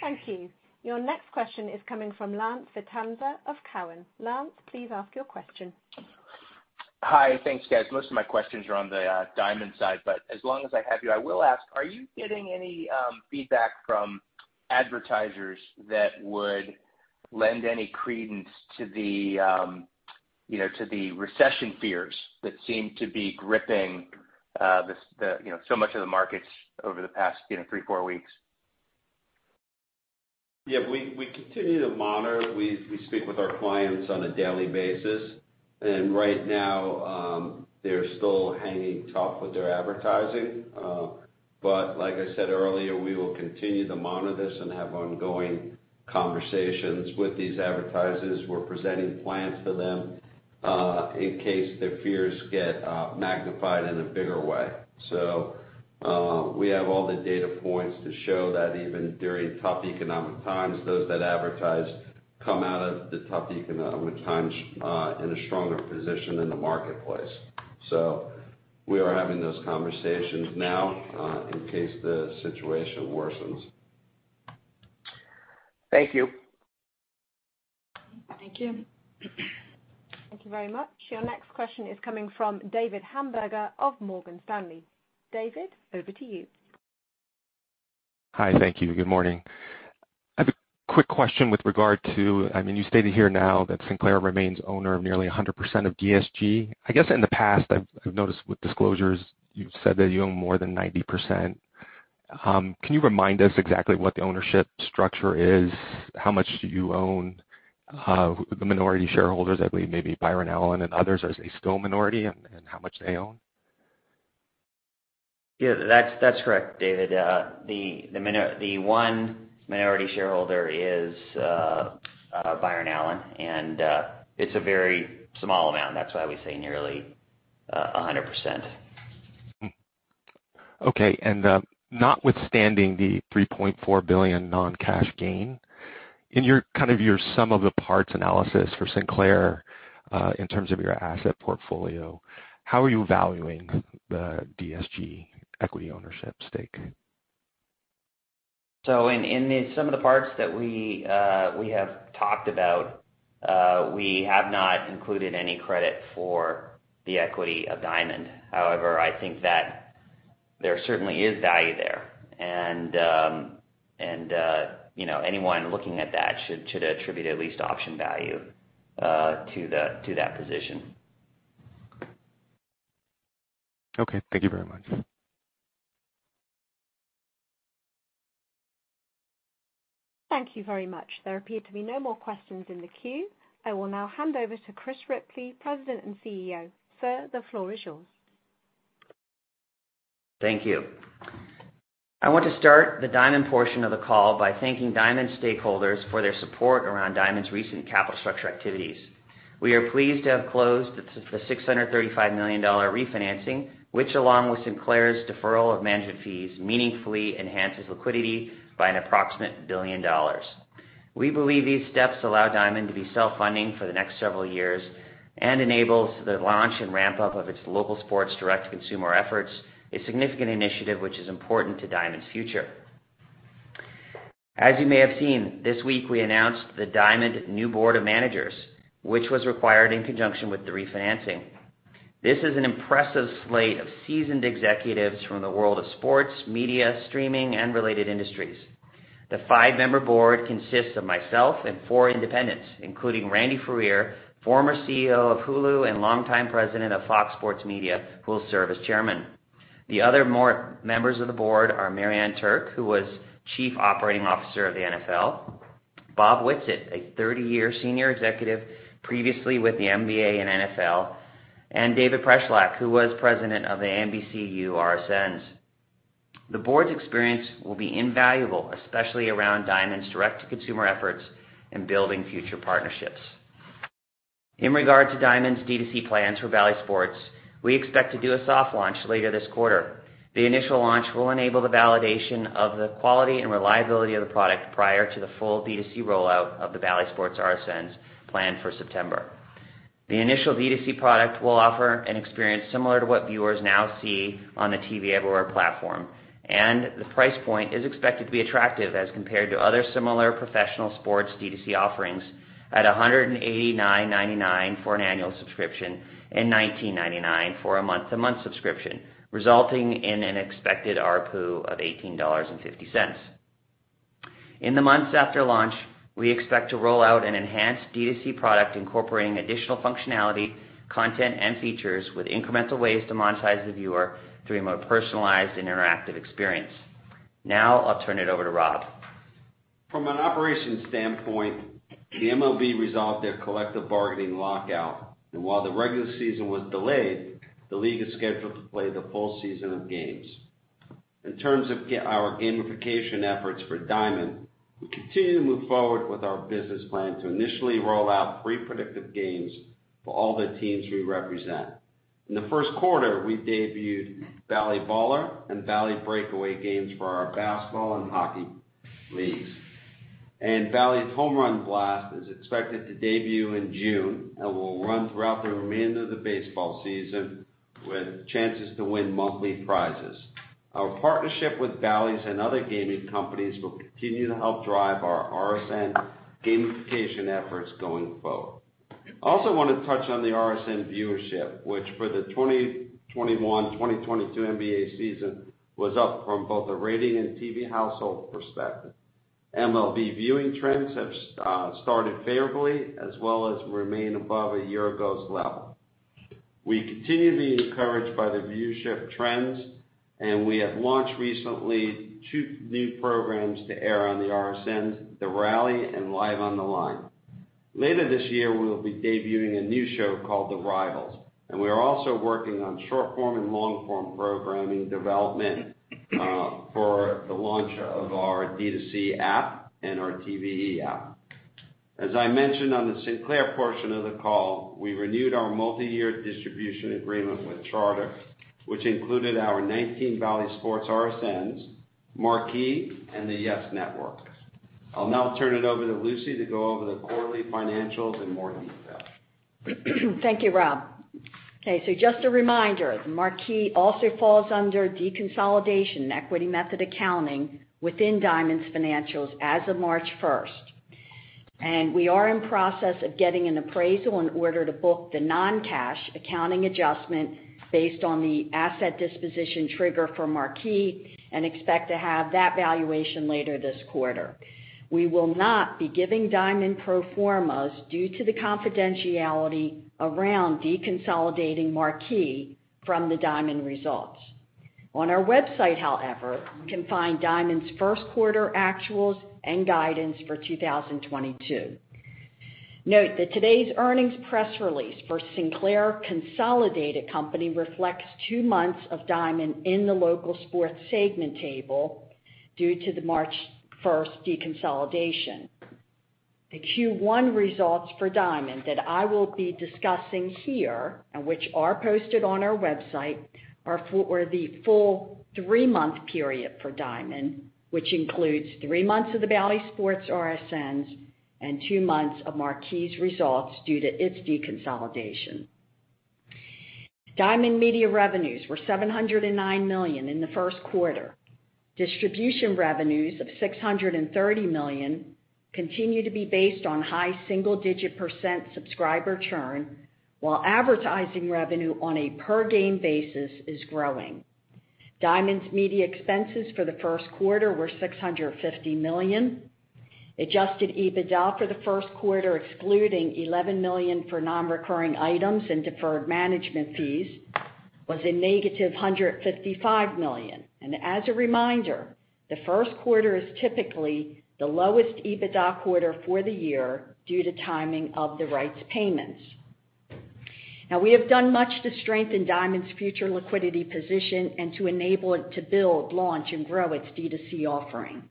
Thank you. Your next question is coming from Lance Vitanza of Cowen. Lance, please ask your question. Hi. Thanks, guys. Most of my questions are on the Diamond side, but as long as I have you, I will ask, are you getting any feedback from advertisers that would lend any credence to the you know, to the recession fears that seem to be gripping the you know, so much of the markets over the past you know, three, four weeks? Yeah. We continue to monitor. We speak with our clients on a daily basis, and right now, they're still hanging tough with their advertising. Like I said earlier, we will continue to monitor this and have ongoing conversations with these advertisers. We're presenting plans to them, in case their fears get magnified in a bigger way. We have all the data points to show that even during tough economic times, those that advertise come out of the tough economic times, in a stronger position in the marketplace. We are having those conversations now, in case the situation worsens. Thank you. Thank you. Thank you very much. Your next question is coming from David Hamburger of Morgan Stanley. David, over to you. Hi. Thank you. Good morning. I have a quick question with regard to, I mean, you stated here now that Sinclair remains owner of nearly 100% of DSG. I guess in the past, I've noticed with disclosures you've said that you own more than 90%. Can you remind us exactly what the ownership structure is? How much do you own? The minority shareholders, I believe maybe Byron Allen and others, are they still minority, and how much they own? Yeah. That's correct, David. The one minority shareholder is Byron Allen, and it's a very small amount. That's why we say nearly 100%. Okay. Notwithstanding the $3.4 billion non-cash gain, in your kind of sum of the parts analysis for Sinclair, in terms of your asset portfolio, how are you valuing the DSG equity ownership stake? In the sum of the parts that we have talked about, we have not included any credit for the equity of Diamond. However, I think that there certainly is value there. You know, anyone looking at that should attribute at least option value to that position. Okay. Thank you very much. Thank you very much. There appear to be no more questions in the queue. I will now hand over to Chris Ripley, President and CEO. Sir, the floor is yours. Thank you. I want to start the Diamond portion of the call by thanking Diamond stakeholders for their support around Diamond's recent capital structure activities. We are pleased to have closed the $635 million refinancing, which along with Sinclair's deferral of management fees, meaningfully enhances liquidity by approximately $1 billion. We believe these steps allow Diamond to be self-funding for the next several years and enables the launch and ramp-up of its local sports direct-to-consumer efforts, a significant initiative which is important to Diamond's future. As you may have seen, this week we announced the Diamond new board of managers, which was required in conjunction with the refinancing. This is an impressive slate of seasoned executives from the world of sports, media, streaming, and related industries. The five-member board consists of myself and four independents, including Randy Freer, former CEO of Hulu and longtime President of Fox Sports Media, who will serve as chairman. The other members of the board are Maryann Turcke, who was Chief Operating Officer of the NFL, Bob Whitsitt, a 30-year senior executive previously with the NBA and NFL, and David Preschlack, who was President of the NBCU RSNs. The board's experience will be invaluable, especially around Diamond's direct-to-consumer efforts in building future partnerships. In regard to Diamond's D2C plans for Bally Sports, we expect to do a soft launch later this quarter. The initial launch will enable the validation of the quality and reliability of the product prior to the full D2C rollout of the Bally Sports RSNs planned for September. The initial D2C product will offer an experience similar to what viewers now see on the TV Everywhere platform, and the price point is expected to be attractive as compared to other similar professional sports D2C offerings at $189.99 for an annual subscription and $19.99 for a month-to-month subscription, resulting in an expected ARPU of $18.50. In the months after launch, we expect to roll out an enhanced D2C product incorporating additional functionality, content, and features with incremental ways to monetize the viewer through a more personalized and interactive experience. Now I'll turn it over to Rob. From an operations standpoint, the MLB resolved their collective bargaining lockout, and while the regular season was delayed, the league is scheduled to play the full season of games. In terms of our gamification efforts for Diamond, we continue to move forward with our business plan to initially roll out three predictive games for all the teams we represent. In the first quarter, we debuted Bally Baller and Bally Breakaway games for our basketball and hockey leagues. Bally Home Run Blast is expected to debut in June and will run throughout the remainder of the baseball season with chances to win monthly prizes. Our partnership with Bally's and other gaming companies will continue to help drive our RSN gamification efforts going forward. I also want to touch on the RSN viewership, which for the 2021/2022 NBA season was up from both a rating and TV household perspective. MLB viewing trends have started favorably as well as remain above a year ago's level. We continue to be encouraged by the viewership trends, and we have launched recently two new programs to air on the RSNs, The Rally and Live on the Line. Later this year, we will be debuting a new show called The Rivals, and we are also working on short-form and long-form programming development for the launch of our D2C app and our TVE app. As I mentioned on the Sinclair portion of the call, we renewed our multi-year distribution agreement with Charter, which included our 19 Bally Sports RSNs, Marquee, and the YES Network. I'll now turn it over to Lucy to go over the quarterly financials in more detail. Thank you, Rob. Okay, so just a reminder, Marquee also falls under deconsolidation equity method accounting within Diamond's financials as of March 1st. We are in process of getting an appraisal in order to book the non-cash accounting adjustment based on the asset disposition trigger for Marquee and expect to have that valuation later this quarter. We will not be giving Diamond pro formas due to the confidentiality around deconsolidating Marquee from the Diamond results. On our website, however, you can find Diamond's first quarter actuals and guidance for 2022. Note that today's earnings press release for Sinclair consolidated company reflects two months of Diamond in the local sports segment table due to the March 1st deconsolidation. The Q1 results for Diamond that I will be discussing here, and which are posted on our website, were the full three-month period for Diamond, which includes three months of the Bally Sports RSNs and two months of Marquee's results due to its deconsolidation. Diamond media revenues were $709 million in the first quarter. Distribution revenues of $630 million continue to be based on high single-digit % subscriber churn, while advertising revenue on a per-game basis is growing. Diamond's media expenses for the first quarter were $650 million. Adjusted EBITDA for the first quarter, excluding $11 million for non-recurring items and deferred management fees, was a negative $155 million. As a reminder, the first quarter is typically the lowest EBITDA quarter for the year due to timing of the rights payments. Now we have done much to strengthen Diamond's future liquidity position and to enable it to build, launch, and grow its D2C offering.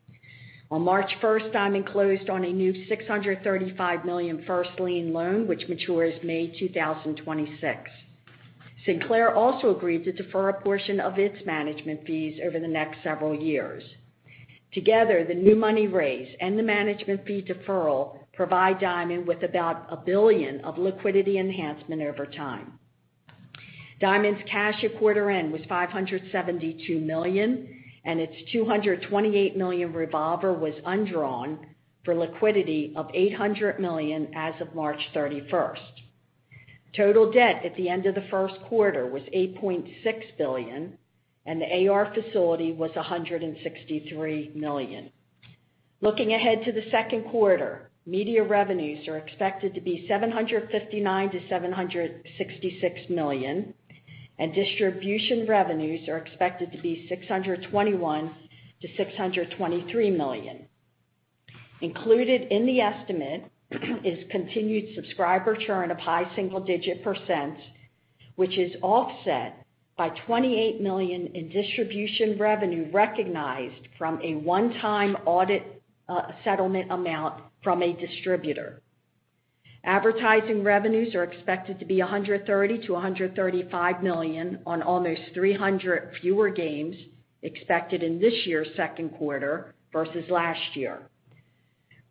On March 1st, Diamond closed on a new $635 million first lien loan, which matures May 2026. Sinclair also agreed to defer a portion of its management fees over the next several years. Together, the new money raised and the management fee deferral provide Diamond with about $1 billion of liquidity enhancement over time. Diamond's cash at quarter end was $572 million, and its $228 million revolver was undrawn for liquidity of $800 million as of March 31st. Total debt at the end of the first quarter was $8.6 billion, and the AR facility was $163 million. Looking ahead to the second quarter, media revenues are expected to be $759 million-$766 million, and distribution revenues are expected to be $621 million-$623 million. Included in the estimate is continued subscriber churn of high single-digit %, which is offset by $28 million in distribution revenue recognized from a one-time audit, settlement amount from a distributor. Advertising revenues are expected to be $130 million-$135 million on almost 300 fewer games expected in this year's second quarter versus last year.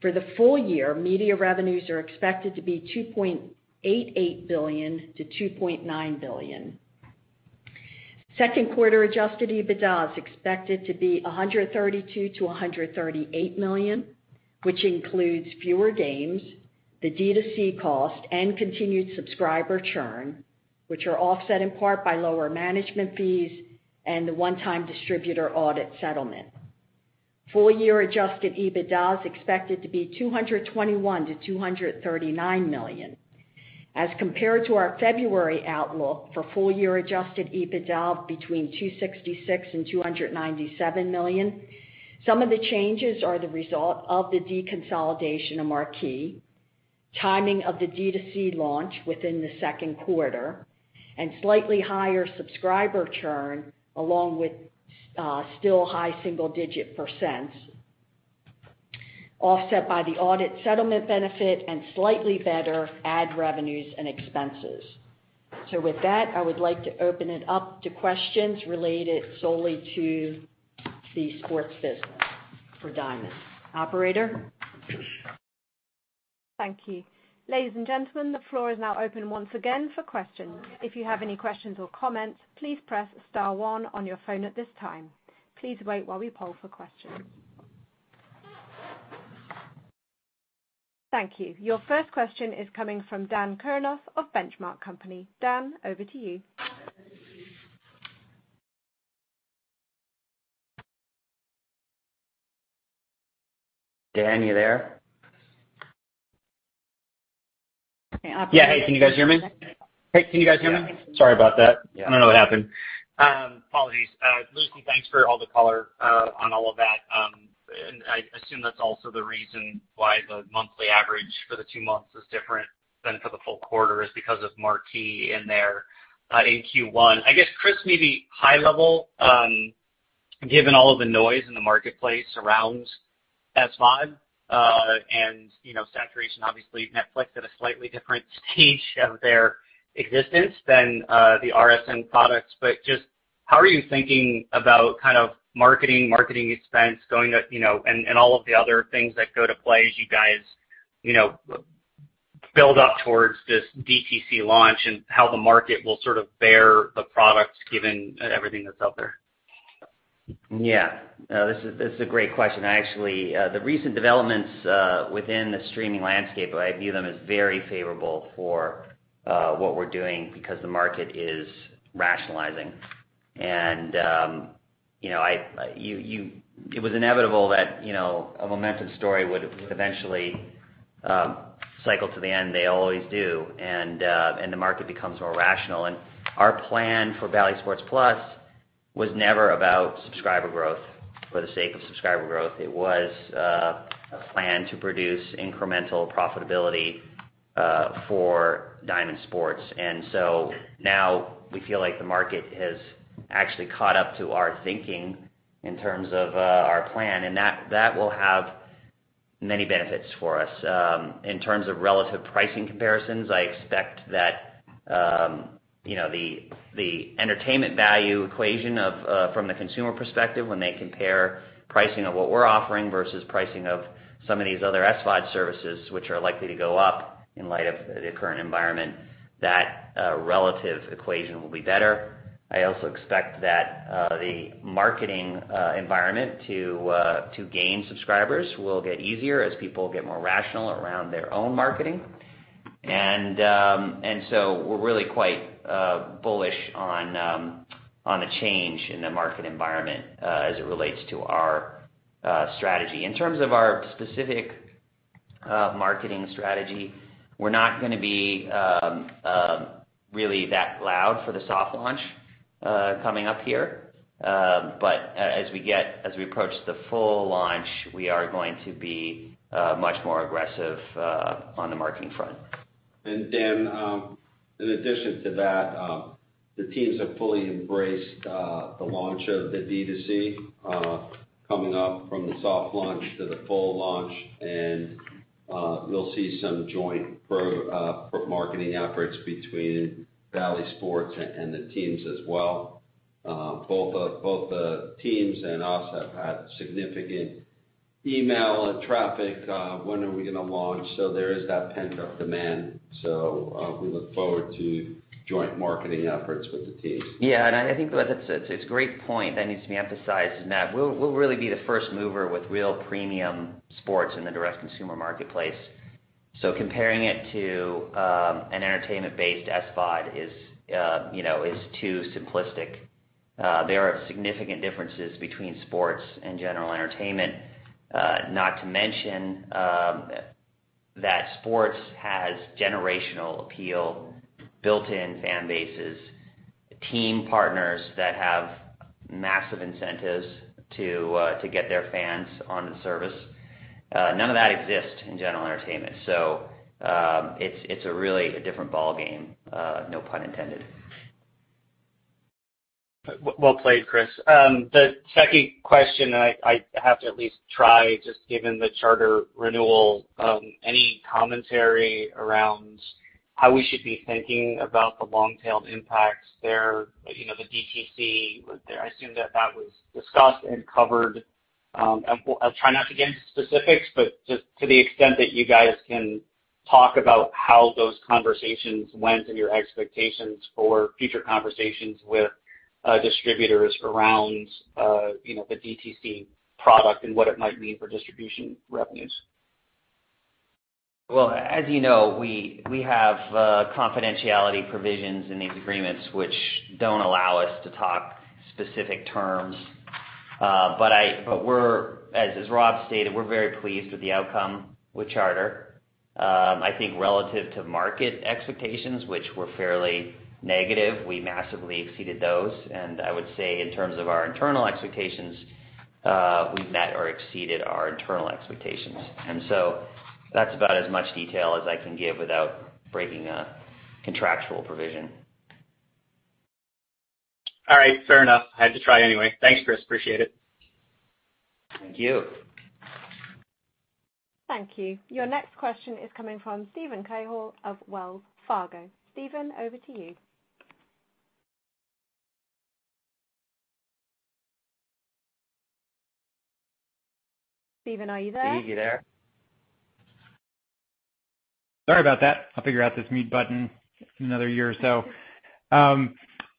For the full-year, media revenues are expected to be $2.88 billion-$2.9 billion. Second quarter Adjusted EBITDA is expected to be $132 million-$138 million, which includes fewer games, the D2C cost, and continued subscriber churn, which are offset in part by lower management fees and the one-time distributor audit settlement. Full-year Adjusted EBITDA is expected to be $221 million-$239 million. As compared to our February outlook for full-year Adjusted EBITDA between $266 million and $297 million, some of the changes are the result of the deconsolidation of Marquee, timing of the D2C launch within the second quarter, and slightly higher subscriber churn, along with still high single-digit%, offset by the audit settlement benefit and slightly better ad revenues and expenses. With that, I would like to open it up to questions related solely to the sports business for Diamond. Operator? Thank you. Ladies and gentlemen, the floor is now open once again for questions. If you have any questions or comments, please press star one on your phone at this time. Please wait while we poll for questions. Thank you. Your first question is coming from Dan Kurnos of The Benchmark Company. Dan, over to you. Dan, you there? Okay, operator. Yeah. Hey, can you guys hear me? Yeah. Sorry about that. Yeah. I don't know what happened. Apologies. Lucy, thanks for all the color on all of that. I assume that's also the reason why the monthly average for the two months is different than for the full quarter is because of Marquee in there in Q1. I guess, Chris, maybe high level, given all of the noise in the marketplace around SVOD, and you know, saturation, obviously Netflix at a slightly different stage of their existence than the RSN products. Just how are you thinking about kind of marketing expense going up, you know, and all of the other things that go to play as you guys, you know, build up towards this DTC launch and how the market will sort of bear the products given everything that's out there? Yeah. No, this is a great question. Actually, the recent developments within the streaming landscape, I view them as very favorable for what we're doing because the market is rationalizing. You know, it was inevitable that you know, a momentum story would eventually cycle to the end. They always do. The market becomes more rational. Our plan for Bally Sports+ was never about subscriber growth for the sake of subscriber growth. It was a plan to produce incremental profitability for Diamond Sports. Now we feel like the market has actually caught up to our thinking in terms of our plan, and that will have many benefits for us. In terms of relative pricing comparisons, I expect that, you know, the entertainment value equation from the consumer perspective, when they compare pricing of what we're offering versus pricing of some of these other SVOD services, which are likely to go up in light of the current environment, that relative equation will be better. I also expect that, the marketing environment to gain subscribers will get easier as people get more rational around their own marketing. So we're really quite bullish on a change in the market environment, as it relates to our strategy. In terms of our specific Marketing strategy. We're not gonna be really that loud for the soft launch coming up here. As we approach the full launch, we are going to be much more aggressive on the marketing front. Dan, in addition to that, the teams have fully embraced the launch of the D2C coming up from the soft launch to the full launch, and we'll see some joint pro-marketing efforts between Bally Sports and the teams as well. Both the teams and us have had significant email and traffic when are we gonna launch? There is that pent-up demand. We look forward to joint marketing efforts with the teams. Yeah. I think that's a great point that needs to be emphasized, is that we'll really be the first mover with real premium sports in the direct consumer marketplace. Comparing it to an entertainment-based SVOD is too simplistic. There are significant differences between sports and general entertainment. Not to mention that sports has generational appeal, built-in fan bases, team partners that have massive incentives to get their fans on the service. None of that exists in general entertainment. It's really a different ballgame, no pun intended. Well, well played, Chris. The second question, and I have to at least try, just given the charter renewal, any commentary around how we should be thinking about the long-tailed impacts there, you know, the DTC. I assume that was discussed and covered. I'll try not to get into specifics, but just to the extent that you guys can talk about how those conversations went and your expectations for future conversations with distributors around, you know, the DTC product and what it might mean for distribution revenues. As you know, we have confidentiality provisions in these agreements which don't allow us to talk specific terms. We're, as Rob stated, very pleased with the outcome with Charter. I think relative to market expectations, which were fairly negative, we massively exceeded those. I would say in terms of our internal expectations, we've met or exceeded our internal expectations. That's about as much detail as I can give without breaking a contractual provision. All right. Fair enough. I had to try anyway. Thanks, Chris. Appreciate it. Thank you. Thank you. Your next question is coming from Steven Cahall of Wells Fargo. Steven, over to you. Steven, are you there? Steve, you there? Sorry about that. I'll figure out this mute button in another year or so.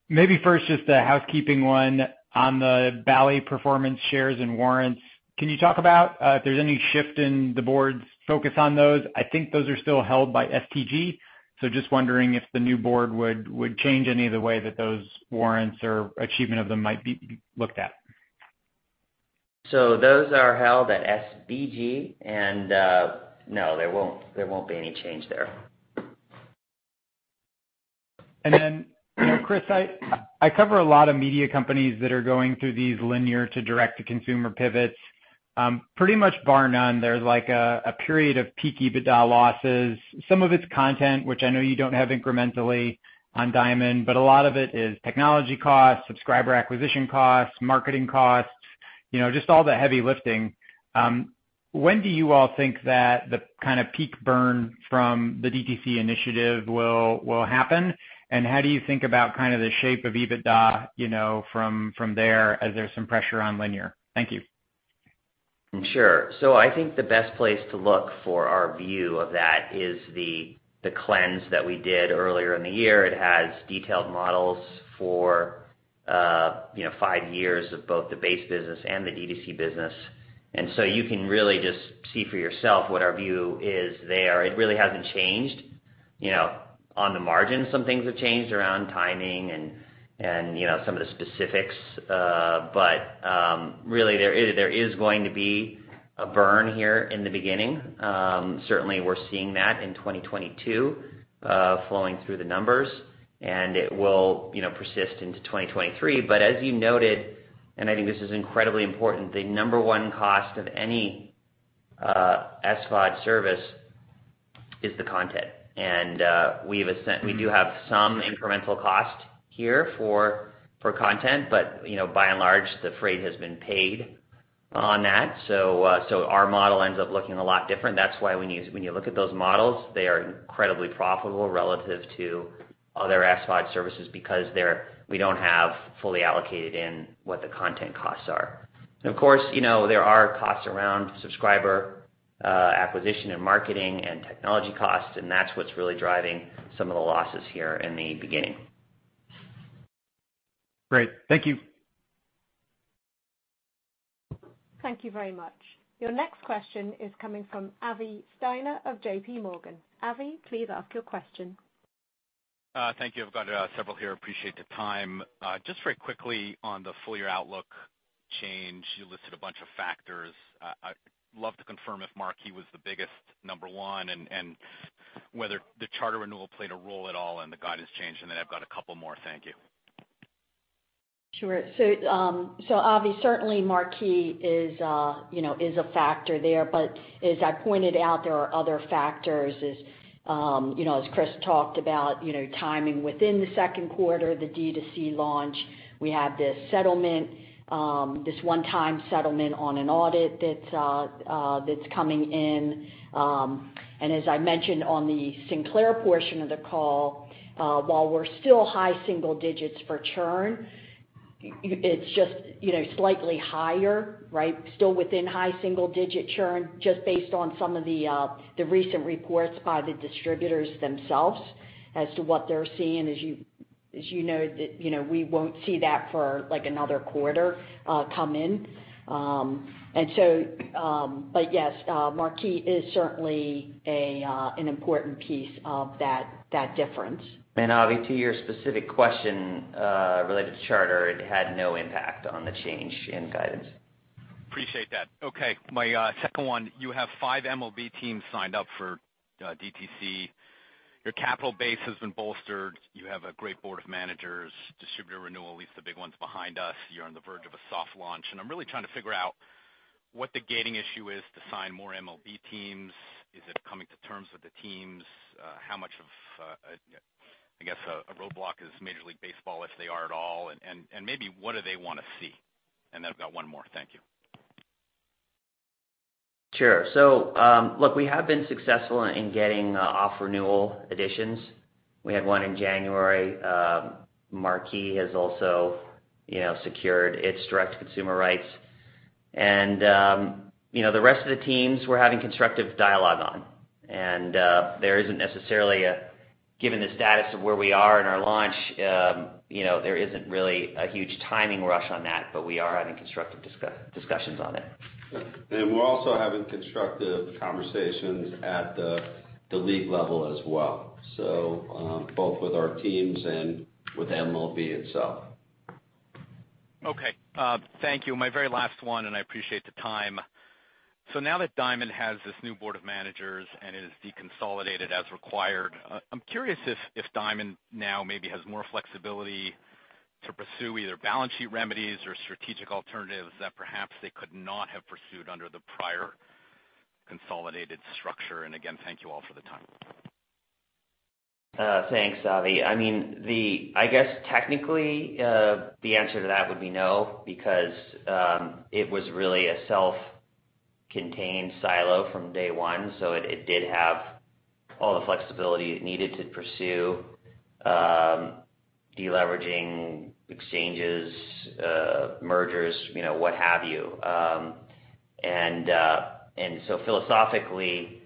Maybe first just a housekeeping one on the Bally performance shares and warrants. Can you talk about if there's any shift in the board's focus on those? I think those are still held by STG, so just wondering if the new board would change any of the way that those warrants or achievement of them might be looked at. Those are held at SBG and, no, there won't be any change there. You know, Chris, I cover a lot of media companies that are going through these linear to direct-to-consumer pivots. Pretty much bar none, there's like a period of peak EBITDA losses. Some of it's content which I know you don't have incrementally on Diamond, but a lot of it is technology costs, subscriber acquisition costs, marketing costs, you know, just all the heavy lifting. When do you all think that the kinda peak burn from the DTC initiative will happen? And how do you think about kind of the shape of EBITDA, you know, from there as there's some pressure on linear? Thank you. Sure. I think the best place to look for our view of that is the cleanse that we did earlier in the year. It has detailed models for you know, five years of both the base business and the DTC business. You can really just see for yourself what our view is there. It really hasn't changed. You know, on the margin, some things have changed around timing and you know, some of the specifics. Really there is going to be a burn here in the beginning. Certainly we're seeing that in 2022, flowing through the numbers, and it will you know, persist into 2023. As you noted, I think this is incredibly important, the number one cost of any SVOD service is the content. We do have some incremental cost here for content, but you know, by and large, the freight has been paid on that. Our model ends up looking a lot different. That's why when you look at those models, they are incredibly profitable relative to other SVOD services because we don't have fully allocated in what the content costs are. Of course, you know, there are costs around subscriber acquisition and marketing and technology costs, and that's what's really driving some of the losses here in the beginning. Great. Thank you. Thank you very much. Your next question is coming from Avi Steiner of J.P. Morgan. Avi, please ask your question. Thank you. I've got several here. Appreciate the time. Just very quickly on the full-year outlook change, you listed a bunch of factors. I'd love to confirm if Marquee was the biggest number one, and whether the Charter renewal played a role at all in the guidance change. I've got a couple more. Thank you. Sure. Avi, certainly Marquee is a factor there. As I pointed out, there are other factors. As you know, as Chris talked about, you know, timing within the second quarter, the D2C launch. We have this settlement, this one-time settlement on an audit that's coming in. As I mentioned on the Sinclair portion of the call, while we're still high single digits for churn, it's just you know, slightly higher, right? Still within high single digit churn, just based on some of the recent reports by the distributors themselves as to what they're seeing. As you know, you know, we won't see that for like another quarter come in. Yes, Marquee is certainly an important piece of that difference. Avi, to your specific question related to Charter, it had no impact on the change in guidance. Appreciate that. Okay, my second one, you have 5 MLB teams signed up for DTC. Your capital base has been bolstered. You have a great board of managers. Distributor renewal, at least the big one's behind us. You're on the verge of a soft launch. I'm really trying to figure out what the gating issue is to sign more MLB teams. Is it coming to terms with the teams? How much of, I guess a roadblock is Major League Baseball, if they are at all, and maybe what do they wanna see? I've got one more. Thank you. Sure. Look, we have been successful in getting our renewal additions. We had one in January. Marquee has also, you know, secured its direct to consumer rights. You know, the rest of the teams we're having constructive dialogue on. There isn't necessarily, given the status of where we are in our launch, you know, there isn't really a huge timing rush on that, but we are having constructive discussions on it. We're also having constructive conversations at the league level as well, so both with our teams and with MLB itself. Okay, thank you. My very last one, and I appreciate the time. Now that Diamond has this new board of managers and is deconsolidated as required, I'm curious if Diamond now maybe has more flexibility to pursue either balance sheet remedies or strategic alternatives that perhaps they could not have pursued under the prior consolidated structure. Again, thank you all for the time. Thanks, Avi. I mean, the answer to that would be no, because it was really a self-contained silo from day one. So it did have all the flexibility it needed to pursue de-leveraging exchanges, mergers, you know, what have you. Philosophically,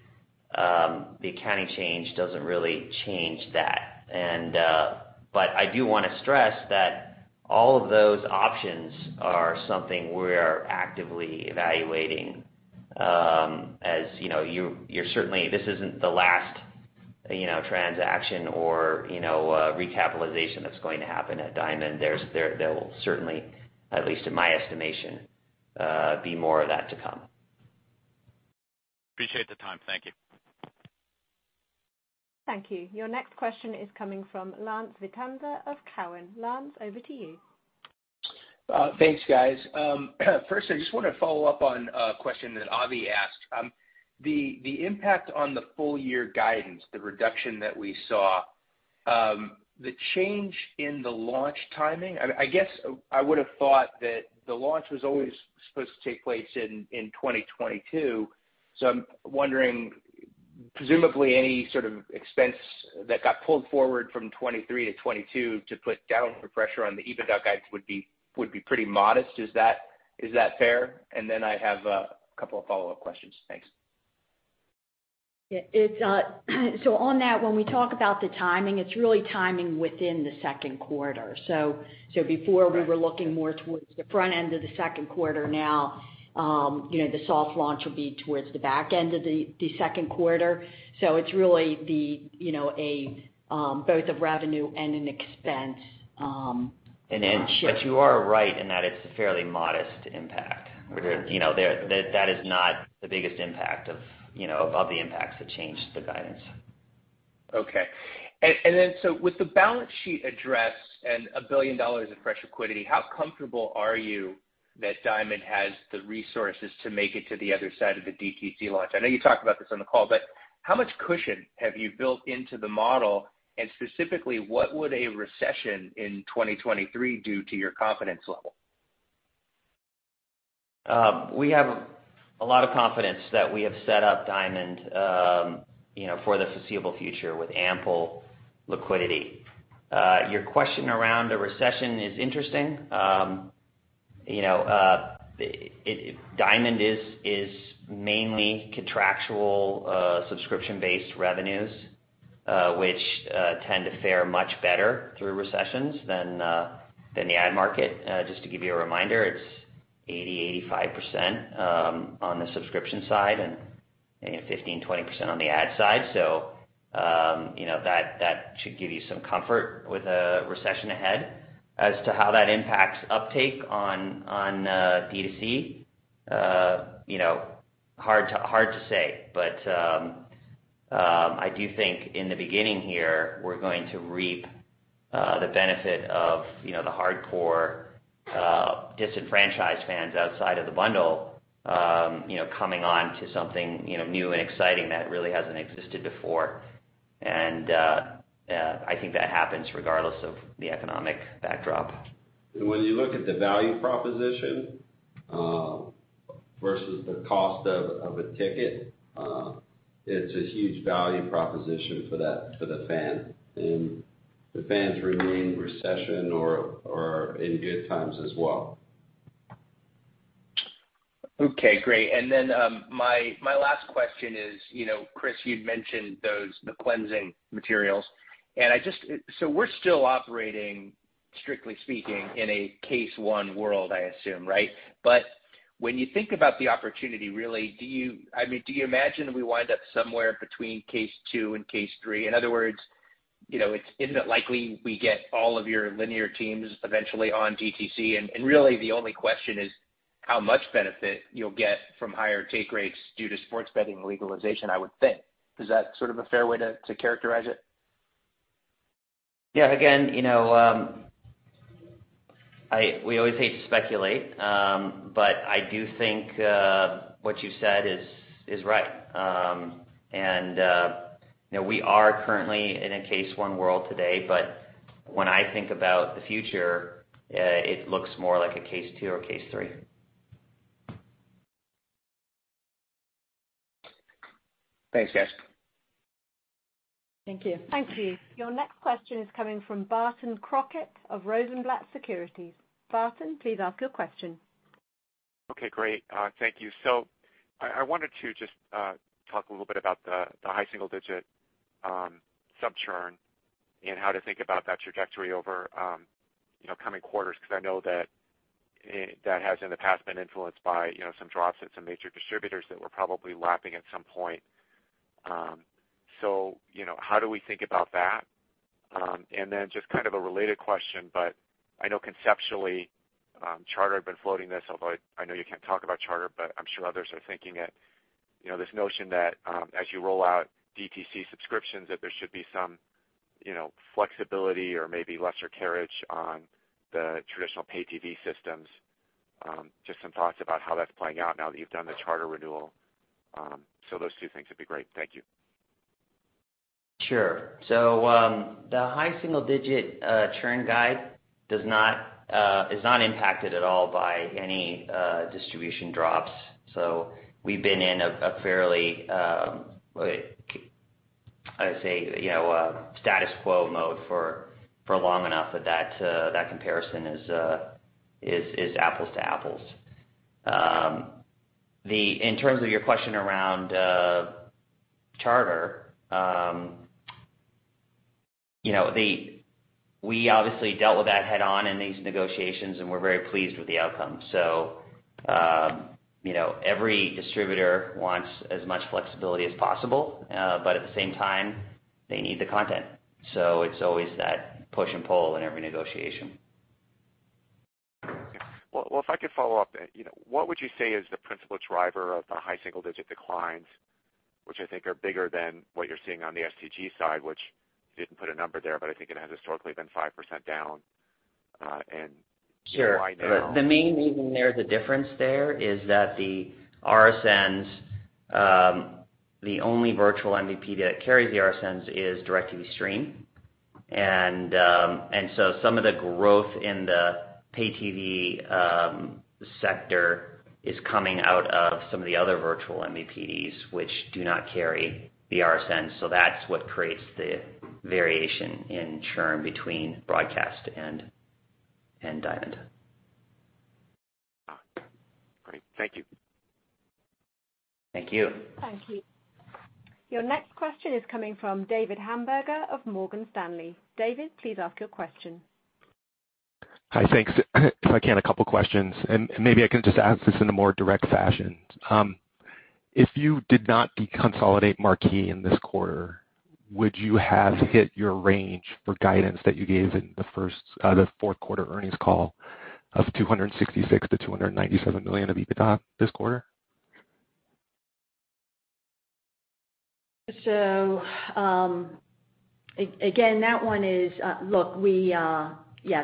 the accounting change doesn't really change that. I do want to stress that all of those options are something we are actively evaluating. As you know, this isn't the last transaction or recapitalization that's going to happen at Diamond. There will certainly, at least in my estimation, be more of that to come. Appreciate the time. Thank you. Thank you. Your next question is coming from Lance Vitanza of TD Cowen. Lance, over to you. Thanks, guys. First, I just want to follow up on a question that Avi asked. The impact on the full-year guidance, the reduction that we saw, the change in the launch timing. I guess I would have thought that the launch was always supposed to take place in 2022. I'm wondering, presumably any sort of expense that got pulled forward from 2023 to 2022 to put downward pressure on the EBITDA guides would be pretty modest. Is that fair? I have a couple of follow-up questions. Thanks. Yeah, it's so on that, when we talk about the timing, it's really timing within the second quarter. Before we were looking more towards the front end of the second quarter. Now, you know, the soft launch will be towards the back end of the second quarter. It's really, you know, both of revenue and an expense. You are right in that it's a fairly modest impact. You know, there, that is not the biggest impact of, you know, of the impacts that changed the guidance. Okay. With the balance sheet addressed and $1 billion of fresh liquidity, how comfortable are you that Diamond has the resources to make it to the other side of the DTC launch? I know you talked about this on the call, but how much cushion have you built into the model? Specifically, what would a recession in 2023 do to your confidence level? We have a lot of confidence that we have set up Diamond, you know, for the foreseeable future with ample liquidity. Your question around the recession is interesting. You know, Diamond is mainly contractual subscription-based revenues, which tend to fare much better through recessions than the ad market. Just to give you a reminder, it's 80-85% on the subscription side and you know, 15-20% on the ad side. You know, that should give you some comfort with a recession ahead. As to how that impacts uptake on D2C, you know, hard to say. I do think in the beginning here, we're going to reap the benefit of, you know, the hardcore disenfranchised fans outside of the bundle, you know, coming on to something, you know, new and exciting that really hasn't existed before. I think that happens regardless of the economic backdrop. When you look at the value proposition versus the cost of a ticket, it's a huge value proposition for the fan. The fans remain in recession or in good times as well. Okay, great. My last question is, you know, Chris, you'd mentioned those, the cleansing materials. So we're still operating, strictly speaking, in a case one world, I assume, right? When you think about the opportunity, really, do you, I mean, do you imagine we wind up somewhere between case two and case three? In other words, you know, isn't it likely we get all of your linear teams eventually on DTC? And really the only question is how much benefit you'll get from higher take rates due to sports betting legalization, I would think. Is that sort of a fair way to characterize it? Yeah, again, you know, we always hate to speculate, but I do think what you said is right. You know, we are currently in a case one world today, but when I think about the future, it looks more like a case two or case three. Thanks, guys. Thank you. Thank you. Your next question is coming from Barton Crockett of Rosenblatt Securities. Barton, please ask your question. Okay, great. Thank you. I wanted to just talk a little bit about the high single digit sub-churn and how to think about that trajectory over you know coming quarters. Because I know that has in the past been influenced by you know some drops at some major distributors that we're probably lapping at some point. You know, how do we think about that? Then just kind of a related question, but I know conceptually Charter had been floating this, although I know you can't talk about Charter, but I'm sure others are thinking it. You know this notion that as you roll out DTC subscriptions that there should be some you know flexibility or maybe lesser carriage on the traditional pay TV systems. Just some thoughts about how that's playing out now that you've done the Charter renewal. Those two things would be great. Thank you. Sure. The high single digit churn guide is not impacted at all by any distribution drops. We've been in a fairly, I would say, you know, status quo mode for long enough that that comparison is apples to apples. In terms of your question around Charter, you know, we obviously dealt with that head on in these negotiations, and we're very pleased with the outcome. You know, every distributor wants as much flexibility as possible, but at the same time, they need the content. It's always that push and pull in every negotiation. Well, if I could follow up, you know, what would you say is the principal driver of the high single-digit declines, which I think are bigger than what you're seeing on the STG side, which you didn't put a number there, but I think it has historically been 5% down, and Sure. Why now? The main reason there, the difference there is that the RSNs, the only virtual MVPD that carries the RSNs is DIRECTV STREAM. Some of the growth in the pay TV sector is coming out of some of the other virtual MVPDs, which do not carry the RSN. That's what creates the variation in churn between broadcast and Diamond. Great. Thank you. Thank you. Thank you. Your next question is coming from David Hamburger of Morgan Stanley. David, please ask your question. Hi. Thanks. If I can, a couple questions, and maybe I can just ask this in a more direct fashion. If you did not deconsolidate Marquee in this quarter, would you have hit your range for guidance that you gave in the fourth quarter earnings call of $266 million-$297 million of EBITDA this quarter? Yes,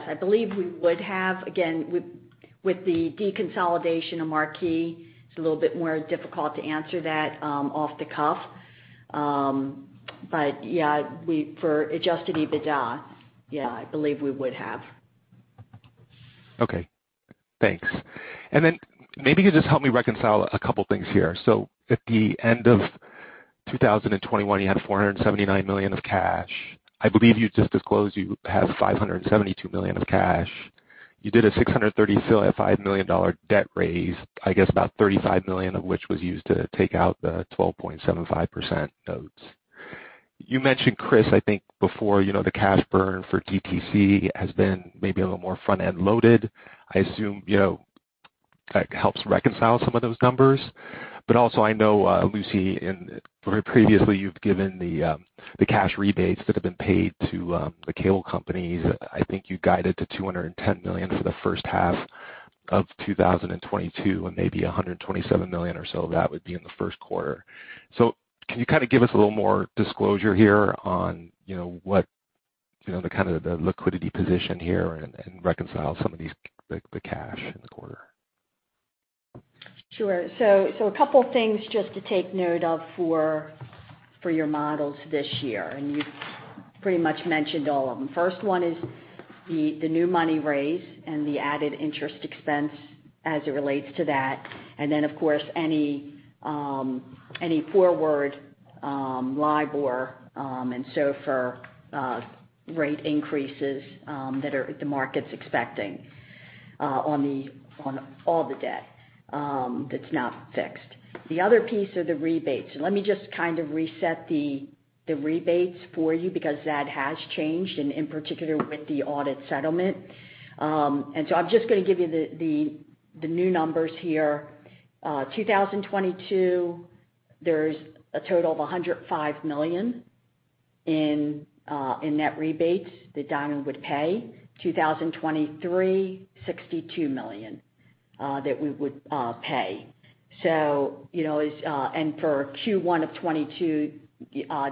I believe we would have. Again, with the deconsolidation of Marquee, it's a little bit more difficult to answer that off the cuff. But yeah, for Adjusted EBITDA, yeah, I believe we would have. Okay, thanks. Maybe you could just help me reconcile a couple things here. At the end of 2021, you had $479 million of cash. I believe you just disclosed you have $572 million of cash. You did a $635 million debt raise, I guess about $35 million of which was used to take out the 12.75% notes. You mentioned, Chris, I think before, you know, the cash burn for DTC has been maybe a little more front-end loaded. I assume, you know, it helps reconcile some of those numbers. I know, Lucy, previously you've given the cash rebates that have been paid to the cable companies. I think you guided to $210 million for the first half of 2022, and maybe $127 million or so of that would be in the first quarter. Can you kinda give us a little more disclosure here on, you know, what, you know, the kind of the liquidity position here and reconcile some of these, the cash in the quarter? Sure. A couple things just to take note of for your models this year, and you've pretty much mentioned all of them. First one is the new money raised and the added interest expense as it relates to that. Then of course, any forward LIBOR and SOFR rate increases that the market's expecting on all the debt that's not fixed. The other piece are the rebates. Let me just kind of reset the rebates for you because that has changed and in particular with the audit settlement. I'm just gonna give you the new numbers here. 2022, there's a total of $105 million in net rebates that Diamond would pay. 2023, $62 million that we would pay. You know, as. For Q1 of 2022,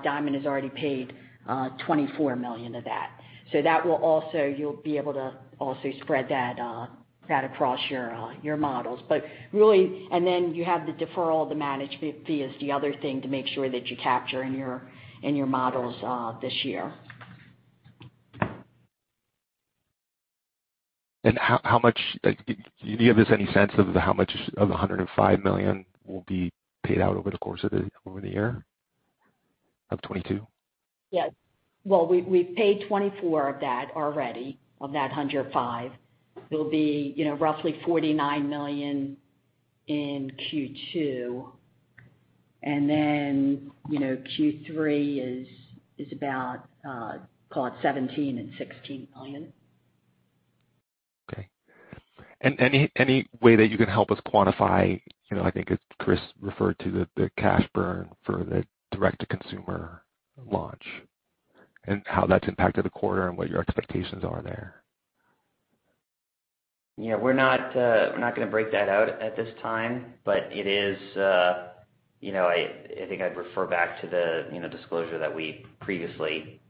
Diamond has already paid $24 million of that. That will also. You'll be able to also spread that across your models. Really. Then the deferral of the management fee is the other thing to make sure that you capture in your models this year. How much, like, do you give us any sense of how much of the $105 million will be paid out over the year of 2022? Yes. Well, we've paid 24 of that already. Of that 105. There'll be, you know, roughly $49 million in Q2. Then, you know, Q3 is about, call it $17 million and $16 million. Okay. Any way that you can help us quantify, you know, I think it's Chris referred to the cash burn for the direct-to-consumer launch and how that's impacted the quarter and what your expectations are there? Yeah. We're not gonna break that out at this time, but it is, you know, I think I'd refer back to the, you know, disclosure that we previously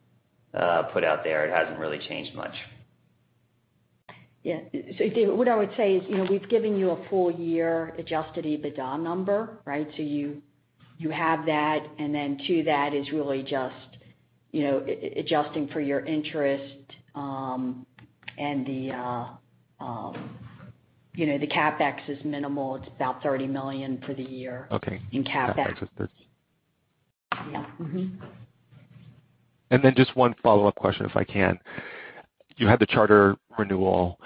put out there. It hasn't really changed much. Yeah. David, what I would say is, you know, we've given you a full-year Adjusted EBITDA number, right? You have that, and then to that is really just, you know, adjusting for your interest, and the, you know, the CapEx is minimal. It's about $30 million for the year. Okay. In CapEx. CapEx is $30. Yeah. Mm-hmm. Just one follow-up question, if I can. You had the Charter renewal.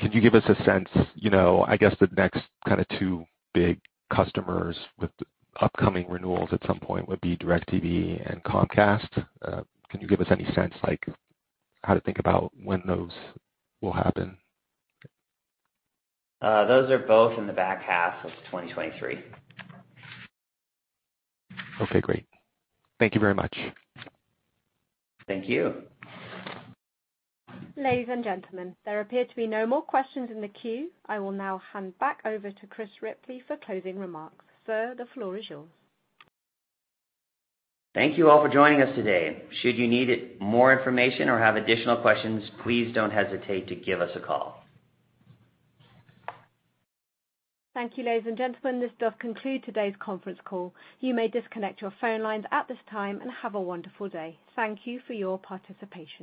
Can you give us a sense, you know, I guess the next kinda two big customers with upcoming renewals at some point would be DirecTV and Comcast. Can you give us any sense like how to think about when those will happen? Those are both in the back half of 2023. Okay, great. Thank you very much. Thank you. Ladies and gentlemen, there appear to be no more questions in the queue. I will now hand back over to Chris Ripley for closing remarks. Sir, the floor is yours. Thank you all for joining us today. Should you need more information or have additional questions, please don't hesitate to give us a call. Thank you, ladies and gentlemen. This does conclude today's conference call. You may disconnect your phone lines at this time, and have a wonderful day. Thank you for your participation.